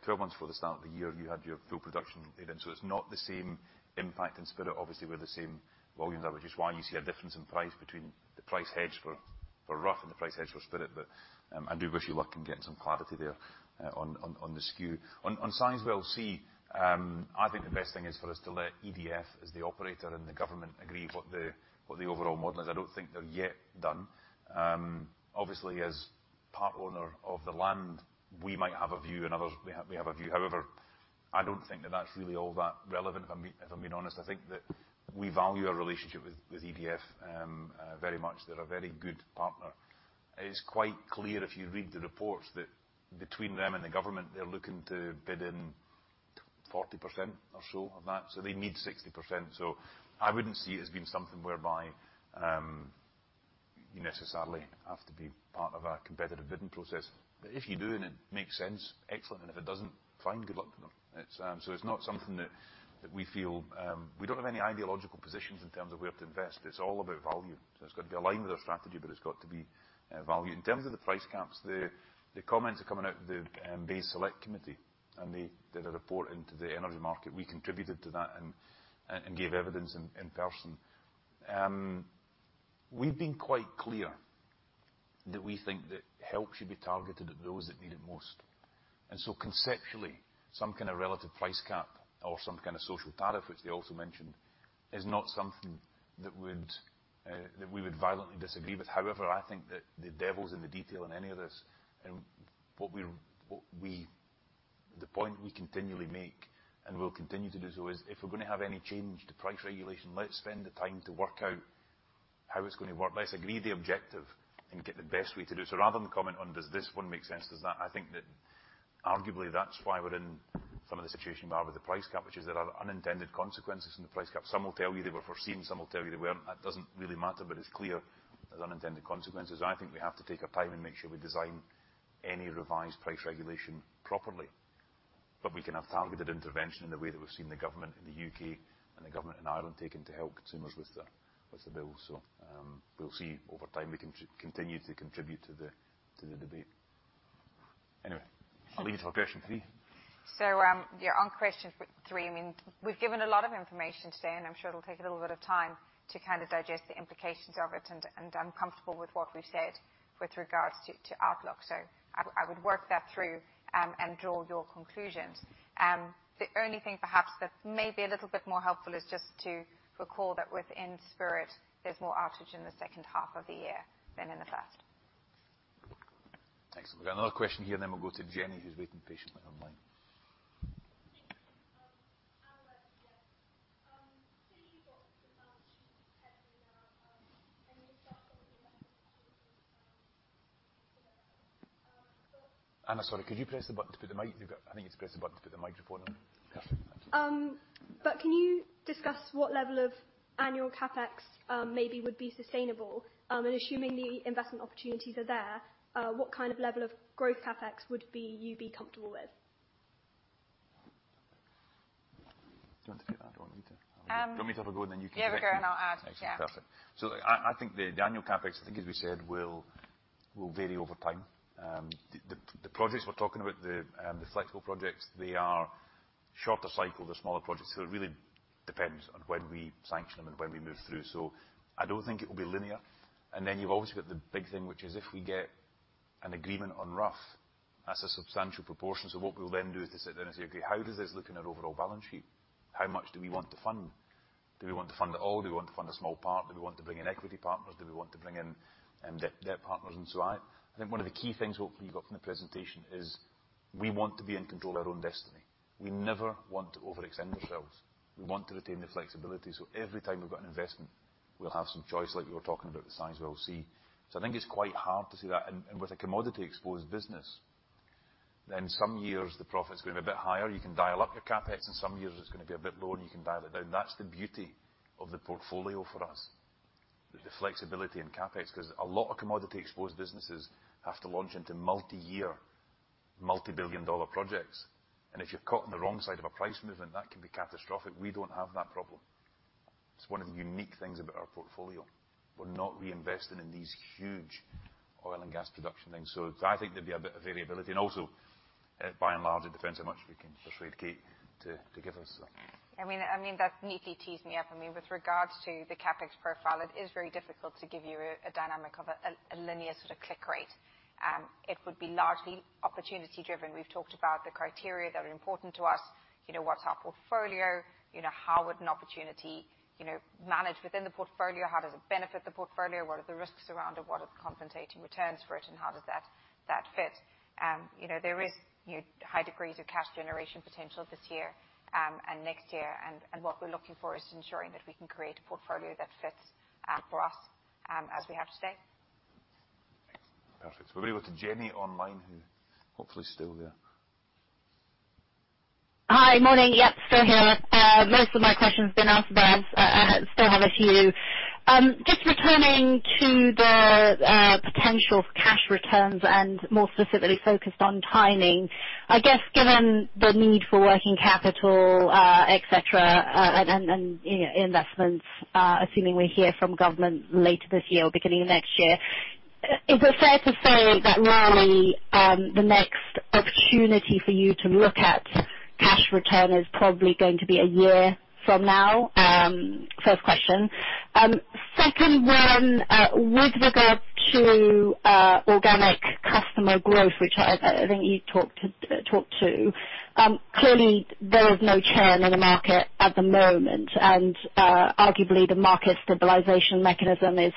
12 months for the start of the year, you had your full production paid in. It's not the same impact in Spirit. Obviously, we're the same volumes. That was just why you see a difference in price between the price hedge for Rough and the price hedge for Spirit. I do wish you luck in getting some clarity there on the skew. On Sizewell C, I think the best thing is for us to let EDF as the operator and the government agree what the overall model is. I don't think they're yet done. Obviously, as part owner of the land, we might have a view and others may have a view. However, I don't think that's really all that relevant, if I'm being honest. I think that we value our relationship with EDF very much. They're a very good partner. It's quite clear if you read the reports that between them and the government, they're looking to bid in 40% or so of that, so they need 60%. I wouldn't see it as being something whereby you necessarily have to be part of a competitive bidding process. But if you do and it makes sense, excellent. And if it doesn't, fine, good luck to them. It's not something that we feel. We don't have any ideological positions in terms of where to invest. It's all about value. It's got to be aligned with our strategy, but it's got to be value. In terms of the price caps, the comments are coming out of the BEIS Select Committee and the report into the energy market. We contributed to that and gave evidence in person. We've been quite clear that we think that help should be targeted at those that need it most. Conceptually, some kind of relative price cap or some kind of social tariff, which they also mentioned, is not something that would that we would violently disagree with. However, I think that the devil's in the detail in any of this. What we the point we continually make and will continue to do so is if we're gonna have any change to price regulation, let's spend the time to work out how it's gonna work. Let's agree the objective and get the best way to do it. Rather than comment on does this one make sense, does that, I think that arguably that's why we're in some of the situation we are with the price cap, which is there are unintended consequences in the price cap. Some will tell you they were foreseen, some will tell you they weren't. That doesn't really matter, but it's clear there's unintended consequences. I think we have to take our time and make sure we design any revised price regulation properly. We can have targeted intervention in the way that we've seen the government in the U.K. and the government in Ireland taking to help consumers with the bills. We'll see over time. We continue to contribute to the debate. Anyway, I'll leave it for question three. On question three, I mean, we've given a lot of information today, and I'm sure it'll take a little bit of time to kind of digest the implications of it. I'm comfortable with what we've said with regards to outlook. I would work that through and draw your conclusions. The only thing perhaps that may be a little bit more helpful is just to recall that within Spirit, there's more outage in the second half of the year than in the first. Thanks. We've got another question here, and then we'll go to Jenny, who's waiting patiently online. Thank you. Arie. Arie, sorry, could you press the button to put the microphone on. Okay. Can you discuss what level of annual CapEx maybe would be sustainable? Assuming the investment opportunities are there, what kind of level of growth CapEx you'd be comfortable with? Do you want to take that or do you want me to? Do you want me to have a go and then you can correct me? Yeah, have a go and I'll add. Yeah. Excellent. Perfect. I think the annual CapEx, I think as we said, will vary over time. The projects we're talking about, the flexible projects, they are shorter cycle. They're smaller projects, so it really depends on when we sanction them and when we move through. I don't think it will be linear. You've obviously got the big thing, which is if we get an agreement on Rough, that's a substantial proportion. What we'll then do is to sit there and say, "Okay, how does this look in our overall balance sheet? How much do we want to fund? Do we want to fund it all? Do we want to fund a small part? Do we want to bring in equity partners? Do we want to bring in debt partners? I think one of the key things, what we got from the presentation is we want to be in control of our own destiny. We never want to overextend ourselves. We want to retain the flexibility, so every time we've got an investment, we'll have some choice, like we were talking about the Sizewell C. I think it's quite hard to see that. With a commodity-exposed business, then some years the profit's gonna be a bit higher, you can dial up your CapEx, and some years it's gonna be a bit lower, and you can dial it down. That's the beauty of the portfolio for us. The flexibility in CapEx, because a lot of commodity-exposed businesses have to launch into multi-year, multi-billion-dollar projects. If you're caught on the wrong side of a price movement, that can be catastrophic. We don't have that problem. It's one of the unique things about our portfolio. We're not reinvesting in these huge oil and gas production things. I think there'd be a bit of variability. Also, by and large, it depends how much we can persuade Kate to give us. I mean, that neatly tees me up. I mean, with regards to the CapEx profile, it is very difficult to give you a dynamic of a linear sort of click rate. It would be largely opportunity-driven. We've talked about the criteria that are important to us. You know, what's our portfolio? You know, how would an opportunity, you know, manage within the portfolio? How does it benefit the portfolio? What are the risks around it? What are the compensating returns for it, and how does that fit? You know, there is, you know, high degrees of cash generation potential this year, and next year. What we're looking for is ensuring that we can create a portfolio that fits for us, as we have today. Perfect. We'll go to Jenny online, who hopefully is still there. Hi. Morning. Yep, still here. Most of my questions have been asked, but I still have a few. Just returning to the potential cash returns and more specifically focused on timing. I guess, given the need for working capital, et cetera, and you know, investments, assuming we hear from government later this year or beginning of next year, is it fair to say that really, the next opportunity for you to look at cash return is probably going to be a year from now? First question. Second one, with regards to organic customer growth, which I think you talked to. Clearly there is no churn in the market at the moment, and arguably the market stabilization mechanism is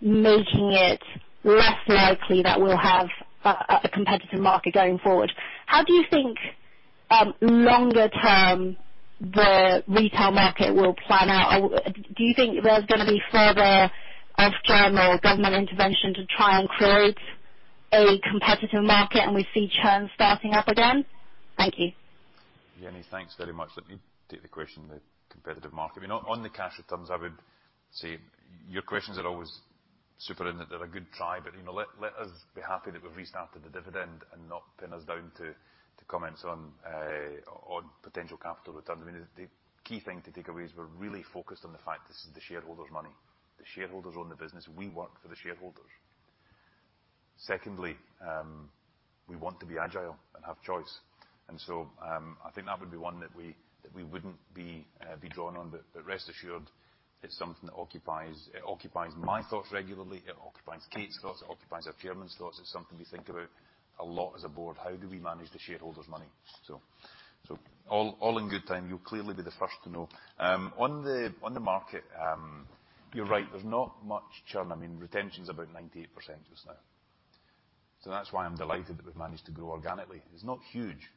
making it less likely that we'll have a competitive market going forward. How do you think longer term the retail market will play out? Do you think there's gonna be further Ofgem or government intervention to try and create a competitive market and we see churn starting up again? Thank you. Jenny, thanks very much. Let me take the question, the competitive market. You know, on the cash returns, I would say your questions are always super, in that they're a good try, but, you know, let us be happy that we've restarted the dividend and not pin us down to comments on potential capital returns. I mean, the key thing to take away is we're really focused on the fact this is the shareholders' money. The shareholders own the business. We work for the shareholders. Secondly, we want to be agile and have choice, and so I think that would be one that we wouldn't be drawn on. But rest assured, it's something that occupies my thoughts regularly, it occupies Kate's thoughts, it occupies our chairman's thoughts. It's something we think about a lot as a board. How do we manage the shareholders' money? All in good time. You'll clearly be the first to know. On the market, you're right, there's not much churn. I mean, retention's about 98% just now. That's why I'm delighted that we've managed to grow organically. It's not huge,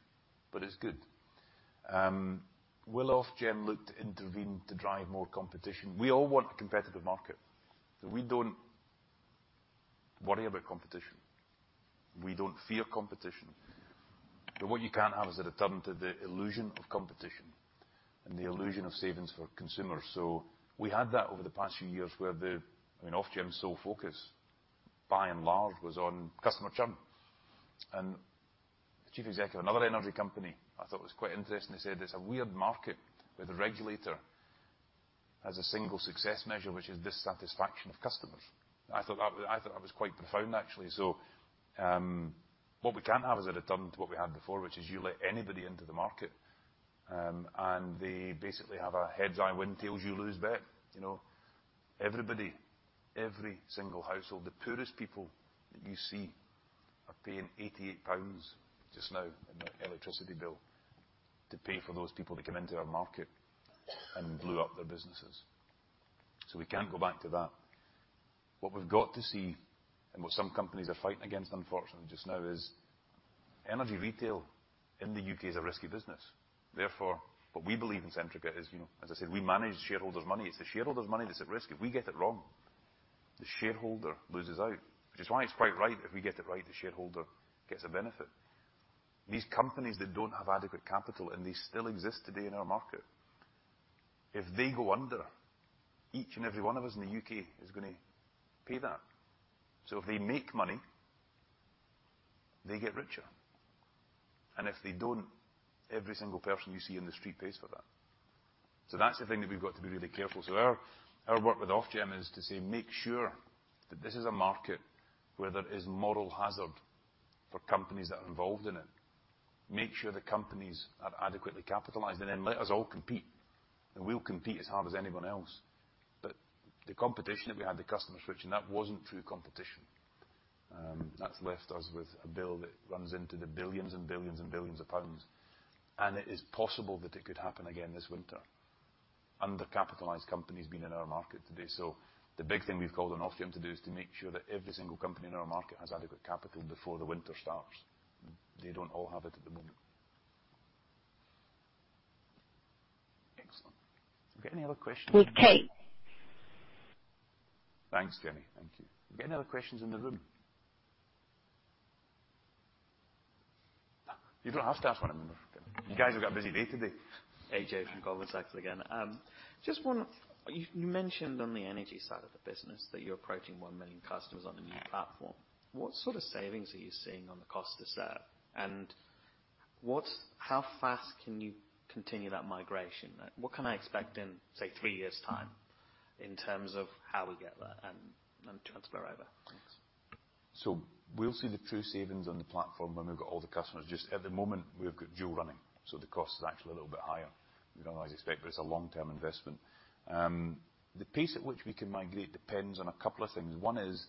but it's good. Will Ofgem look to intervene to drive more competition? We all want a competitive market, so we don't worry about competition. We don't fear competition. But what you can't have is a return to the illusion of competition and the illusion of savings for consumers. We had that over the past few years where Ofgem's sole focus, by and large, was on customer churn. The Chief Executive of another energy company I thought was quite interesting. He said, "It's a weird market where the regulator has a single success measure, which is dissatisfaction of customers." I thought that was quite profound actually. What we can't have is a return to what we had before, which is you let anybody into the market, and they basically have a heads I win, tails you lose bet. You know? Everybody, every single household, the poorest people that you see are paying 88 pounds just now in their electricity bill to pay for those people that come into our market and blew up their businesses. We can't go back to that. What we've got to see, and what some companies are fighting against, unfortunately, just now is energy retail in the U.K. is a risky business. Therefore, what we believe in Centrica is, you know, as I said, we manage shareholders' money. It's the shareholders' money that's at risk. If we get it wrong, the shareholder loses out. Which is why it's quite right if we get it right, the shareholder gets a benefit. These companies that don't have adequate capital, and they still exist today in our market, if they go under, each and every one of us in the U.K. is gonna pay that. If they make money, they get richer. If they don't, every single person you see in the street pays for that. That's the thing that we've got to be really careful. Our work with Ofgem is to say, make sure that this is a market where there is moral hazard for companies that are involved in it, make sure the companies are adequately capitalized, and then let us all compete, and we'll compete as hard as anyone else. The competition that we had, the customer switching, that wasn't true competition. That's left us with a bill that runs into the billions and billions and billions of GBP. It is possible that it could happen again this winter. Undercapitalized companies being in our market today. The big thing we've called on Ofgem to do is to make sure that every single company in our market has adequate capital before the winter starts. They don't all have it at the moment. Excellent. Have we got any other questions? With Kate. Thanks, Jenny. Thank you. Have we got any other questions in the room? You don't have to have one of them. You guys have got a busy day today. Ajay Patel from Goldman Sachs again. Just one. You mentioned on the energy side of the business that you're approaching 1 million customers on the new platform. Yeah. What sort of savings are you seeing on the cost to serve? How fast can you continue that migration? What can I expect in, say, three years' time in terms of how we get there and transfer over? We'll see the true savings on the platform when we've got all the customers. Just at the moment, we've got dual running, so the cost is actually a little bit higher. We don't always expect, but it's a long-term investment. The pace at which we can migrate depends on a couple of things. One is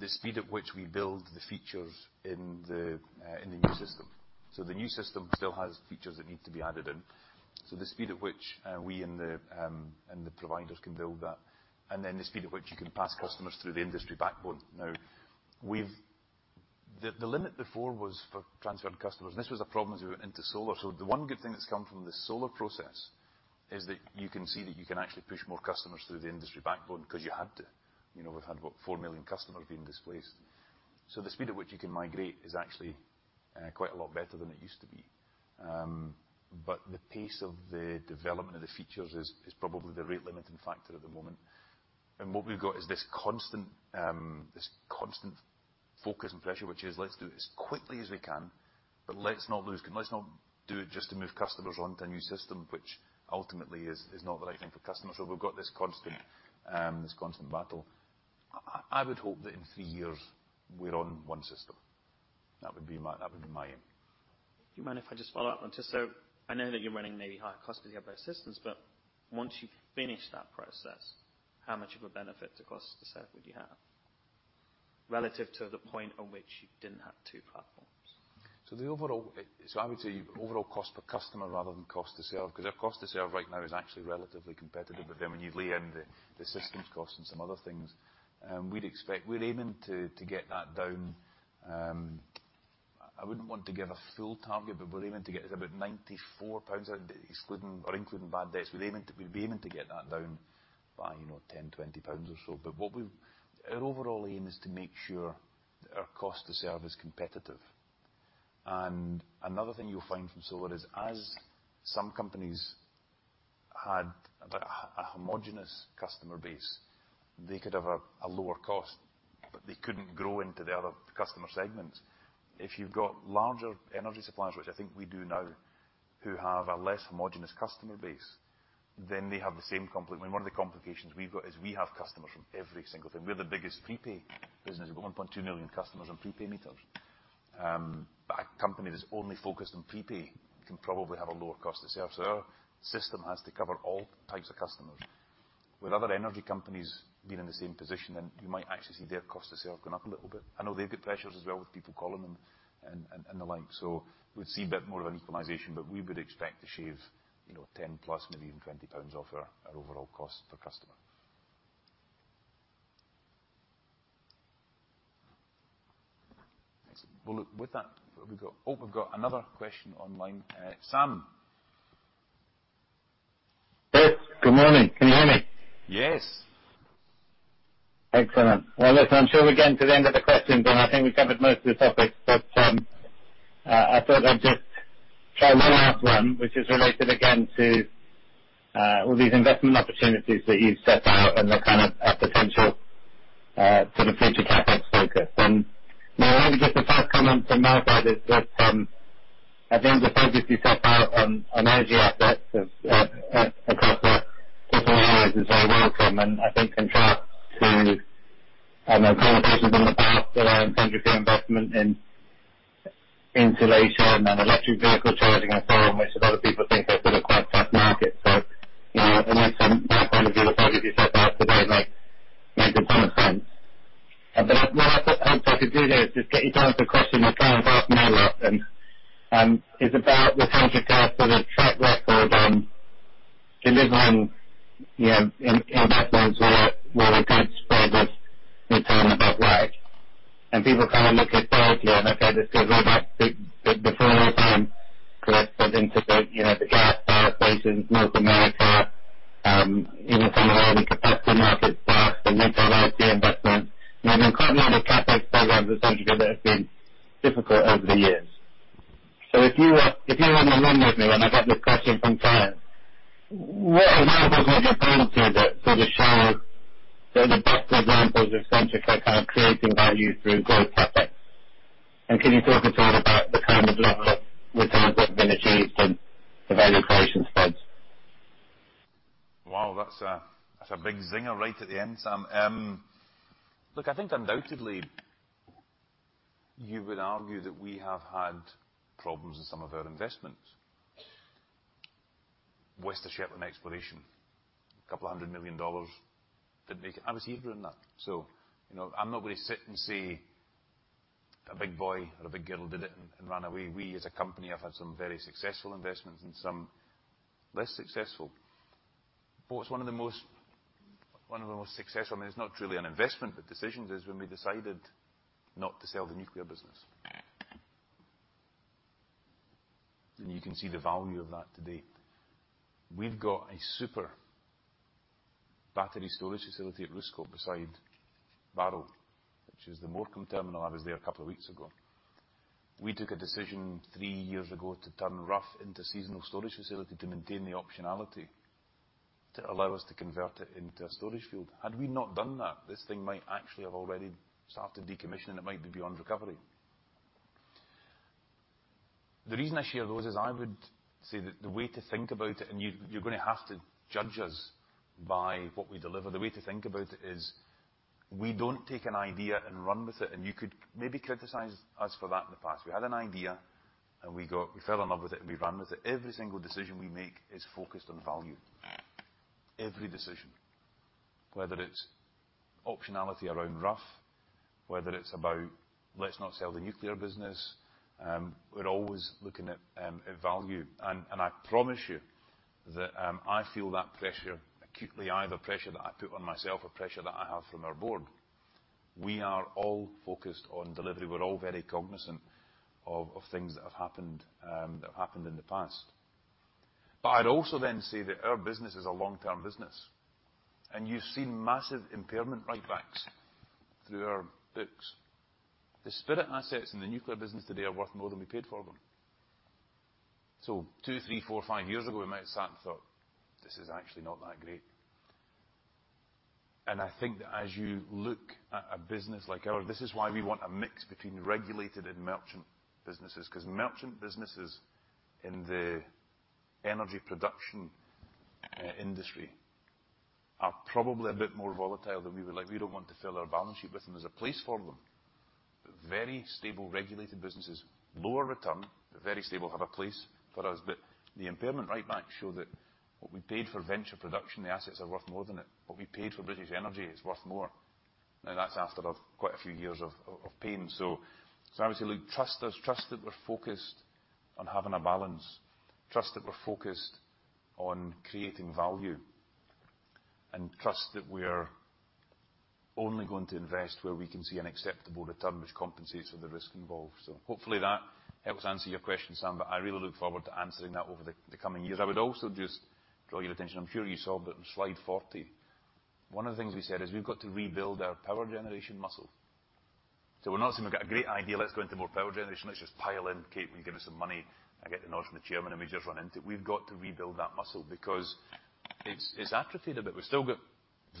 the speed at which we build the features in the new system. The new system still has features that need to be added in. The speed at which we and the providers can build that, and then the speed at which you can pass customers through the industry backbone. The limit before was for transferring customers, and this was a problem as we went into SoLR. The one good thing that's come from this SoLR process is that you can see that you can actually push more customers through the industry backbone because you had to. You know, we've had, what, 4 million customers being displaced. The speed at which you can migrate is actually quite a lot better than it used to be. But the pace of the development of the features is probably the rate limiting factor at the moment. What we've got is this constant focus and pressure, which is let's do it as quickly as we can, but let's not lose. Let's not do it just to move customers onto a new system, which ultimately is not the right thing for customers. We've got this constant battle. I would hope that in three years we're on one system. That would be my aim. Do you mind if I just follow up on just so I know that you're running maybe higher costs with the other systems, but once you finish that process, how much of a benefit to cost to serve would you have relative to the point on which you didn't have two platforms? I would say overall cost per customer rather than cost to serve, because our cost to serve right now is actually relatively competitive. But then when you lay in the systems cost and some other things, we're aiming to get that down. I wouldn't want to give a full target, but we're aiming to get us about 94 pounds excluding or including bad debts. We're aiming to get that down by, you know, 10-20 pounds or so. Our overall aim is to make sure that our cost to serve is competitive. Another thing you'll find from SoLR is, as some companies had a homogeneous customer base, they could have a lower cost, but they couldn't grow into the other customer segments. If you've got larger energy suppliers, which I think we do now, who have a less homogeneous customer base, then they have the same complications. I mean, one of the complications we've got is we have customers from every single thing. We're the biggest prepaid business. We've got 1.2 million customers on prepaid meters. A company that's only focused on prepaid can probably have a lower cost to serve. Our system has to cover all types of customers. With other energy companies being in the same position, then you might actually see their cost to serve going up a little bit. I know they've got pressures as well with people calling them and the like. We'd see a bit more of an equalization, but we would expect to shave, you know, 10+, maybe even 20 pounds off our overall cost per customer. Well, look, with that, what we've got. Oh, we've got another question online. Sam. Yes. Good morning. Can you hear me? Yes. Excellent. Well, listen, I'm sure we're getting to the end of the questions, and I think we've covered most of the topics, but I thought I'd just try one last one, which is related again to all these investment opportunities that you've set out and the kind of potential sort of future CapEx focus. Maybe just the first comment to Mark, that is, I think the focus you set out on energy assets across the different areas is very welcome and I think in contrast to, I know, conversations in the past around Centrica investment in insulation and electric vehicle charging and so on, which a lot of people think are sort of quite tough markets. You know, at least from my point of view, the focus you set out today makes a ton of sense. What I thought I could do there is just get you to answer a question that clients ask me a lot, and is about the Centrica sort of track record on delivering, you know, in backgrounds where a good spread of return about lag. People kind of look historically and okay, this goes way back before your time, Chris, but into the, you know, the gas power stations, North America, you know, some of the early capacity markets starts, the retail IT investment. You know, there are quite a lot of CapEx programs at Centrica that have been difficult over the years. If you were in a room with me and I got this question from clients, what examples would you point to that to just show the best examples of Centrica kind of creating value through growth CapEx? Can you talk a bit about the kind of level of returns that have been achieved and the value creation spreads? Wow, that's a big zinger right at the end, Sam. Look, I think undoubtedly you would argue that we have had problems in some of our investments. West of Shetland exploration, $200 million didn't make. I was here during that. You know, I'm not going to sit and say a big boy or a big girl did it and ran away. We as a company have had some very successful investments and some less successful. What's one of the most successful, I mean, it's not truly an investment, but decisions is when we decided not to sell the nuclear business. You can see the value of that today. We've got a superb battery storage facility at Roosecote beside Barrow, which is the Morecambe terminal. I was there a couple of weeks ago. We took a decision three years ago to turn Rough into seasonal storage facility to maintain the optionality, to allow us to convert it into a storage field. Had we not done that, this thing might actually have already started decommissioning. It might be beyond recovery. The reason I share those is I would say that the way to think about it, and you're gonna have to judge us by what we deliver. The way to think about it is we don't take an idea and run with it, and you could maybe criticize us for that in the past. We had an idea, and we fell in love with it, and we ran with it. Every single decision we make is focused on value. Every decision. Whether it's optionality around Rough, whether it's about let's not sell the nuclear business, we're always looking at value. I promise you that I feel that pressure acutely. I have a pressure that I put on myself, a pressure that I have from our board. We are all focused on delivery. We're all very cognizant of things that have happened that happened in the past. I'd also then say that our business is a long-term business, and you've seen massive impairment write-backs through our books. The Spirit assets in the nuclear business today are worth more than we paid for them. Two, three, four, five years ago, we might have sat and thought, "This is actually not that great." I think that as you look at a business like ours, this is why we want a mix between regulated and merchant businesses, 'cause merchant businesses in the energy production industry are probably a bit more volatile than we would like. We don't want to fill our balance sheet with them. There's a place for them. Very stable, regulated businesses, lower return, but very stable, have a place for us. The impairment write-backs show that what we paid for Venture Production, the assets are worth more than it. What we paid for British Energy is worth more. Now, that's after quite a few years of pain. Obviously, look, trust us. Trust that we're focused on having a balance. Trust that we're focused on creating value. Trust that we're only going to invest where we can see an acceptable return which compensates for the risk involved. Hopefully that helps answer your question, Sam, but I really look forward to answering that over the coming years. I would also just draw your attention, I'm sure you saw, but on Slide 40, one of the things we said is we've got to rebuild our power generation muscle. We're not saying we've got a great idea, let's go into more power generation. Let's just pile in, Kate, will you give us some money? I get the nod from the Chairman, and we just run into it. We've got to rebuild that muscle because it's atrophied a bit. We've still got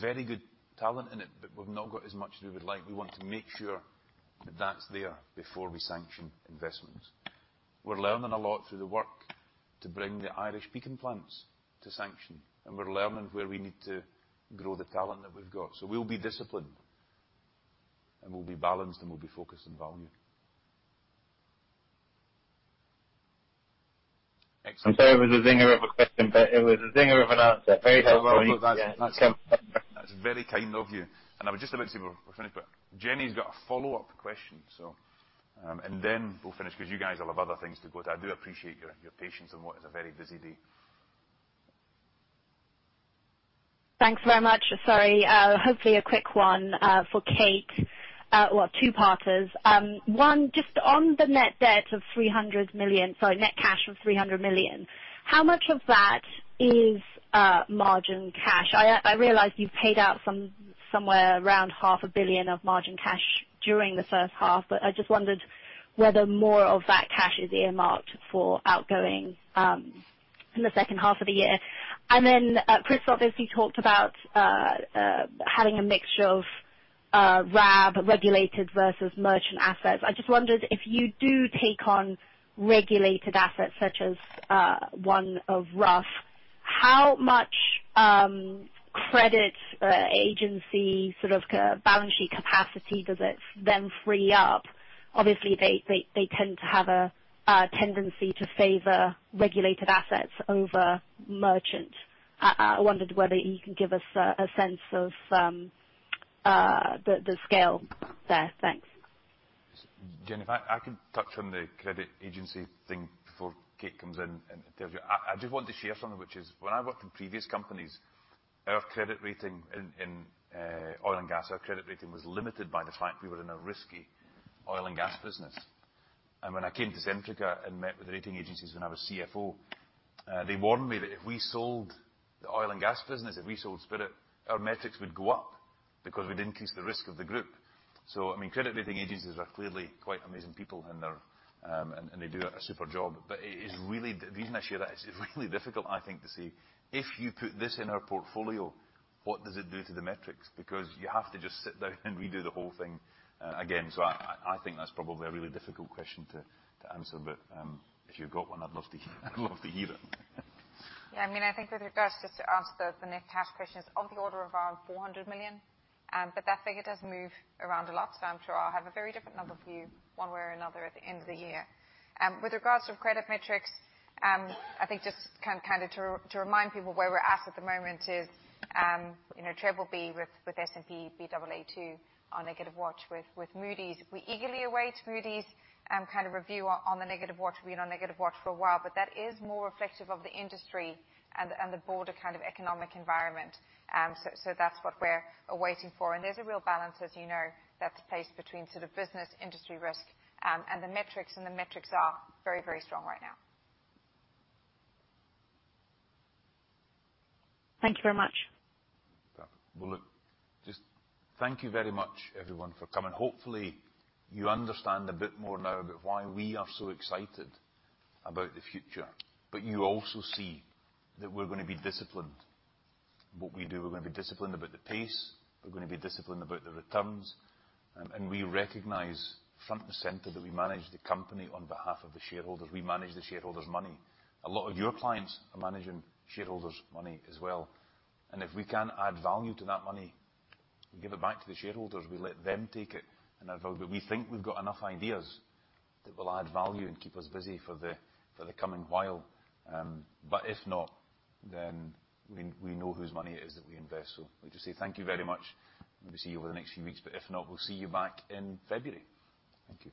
very good talent in it, but we've not got as much as we would like. We want to make sure that that's there before we sanction investments. We're learning a lot through the work to bring the Irish peaking plants to sanction, and we're learning where we need to grow the talent that we've got. We'll be disciplined, and we'll be balanced, and we'll be focused on value. Excellent. I'm sorry if it was a zinger of a question, but it was a zinger of an answer. Very helpful. That's very kind of you. I was just about to say we're finished, but Jenny's got a follow-up question. We'll finish because you guys will have other things to go to. I do appreciate your patience on what is a very busy day. Thanks very much. Sorry, hopefully a quick one for Kate. Well, a two-parter. One, just on the net cash of 300 million. How much of that is margin cash? I realize you paid out somewhere around half a billion GBP of margin cash during the first half, but I just wondered whether more of that cash is earmarked for outgoing in the second half of the year. Then, Chris obviously talked about having a mixture of RAB regulated versus merchant assets. I just wondered if you do take on regulated assets such as one of Rough, how much credit agency sort of balance sheet capacity does it then free up? Obviously, they tend to have a tendency to favor regulated assets over merchant. I wondered whether you can give us a sense of the scale there. Thanks. Jenny, if I can touch on the credit agency thing before Kate comes in and tells you. I just want to share something, which is when I worked in previous companies, our credit rating in oil and gas, our credit rating was limited by the fact we were in a risky oil and gas business. When I came to Centrica and met with the rating agencies when I was CFO, they warned me that if we sold the oil and gas business, if we sold Spirit, our metrics would go up because we'd increase the risk of the group. I mean, credit rating agencies are clearly quite amazing people, and they're and they do a super job. It is really. The reason I share that, it's really difficult, I think, to see if you put this in our portfolio, what does it do to the metrics? You have to just sit down and redo the whole thing, again. I think that's probably a really difficult question to answer. If you've got one, I'd love to hear it. Yeah. I mean, I think with regards just to answer the net cash question is on the order of around 400 million. But that figure does move around a lot, so I'm sure I'll have a very different number for you one way or another at the end of the year. With regards to credit metrics, I think just kind of to remind people where we're at at the moment is, you know, BBB with S&P, Baa2 on negative watch with Moody's. We eagerly await Moody's kind of review on the negative watch. We've been on negative watch for a while, but that is more reflective of the industry and the broader kind of economic environment. So that's what we're awaiting for. There's a real balance, as you know, that's placed between sort of business industry risk, and the metrics are very, very strong right now. Thank you very much. Well, look, just thank you very much, everyone, for coming. Hopefully, you understand a bit more now about why we are so excited about the future. You also see that we're gonna be disciplined in what we do. We're gonna be disciplined about the pace. We're gonna be disciplined about the returns. We recognize front and center that we manage the company on behalf of the shareholders. We manage the Shareholders' money. A lot of your clients are managing shareholders' money as well. If we can add value to that money, we give it back to the shareholders. We let them take it and add value. We think we've got enough ideas that will add value and keep us busy for the coming while. If not, then we know whose money it is that we invest. We just say thank you very much. We'll see you over the next few weeks, but if not, we'll see you back in February. Thank you.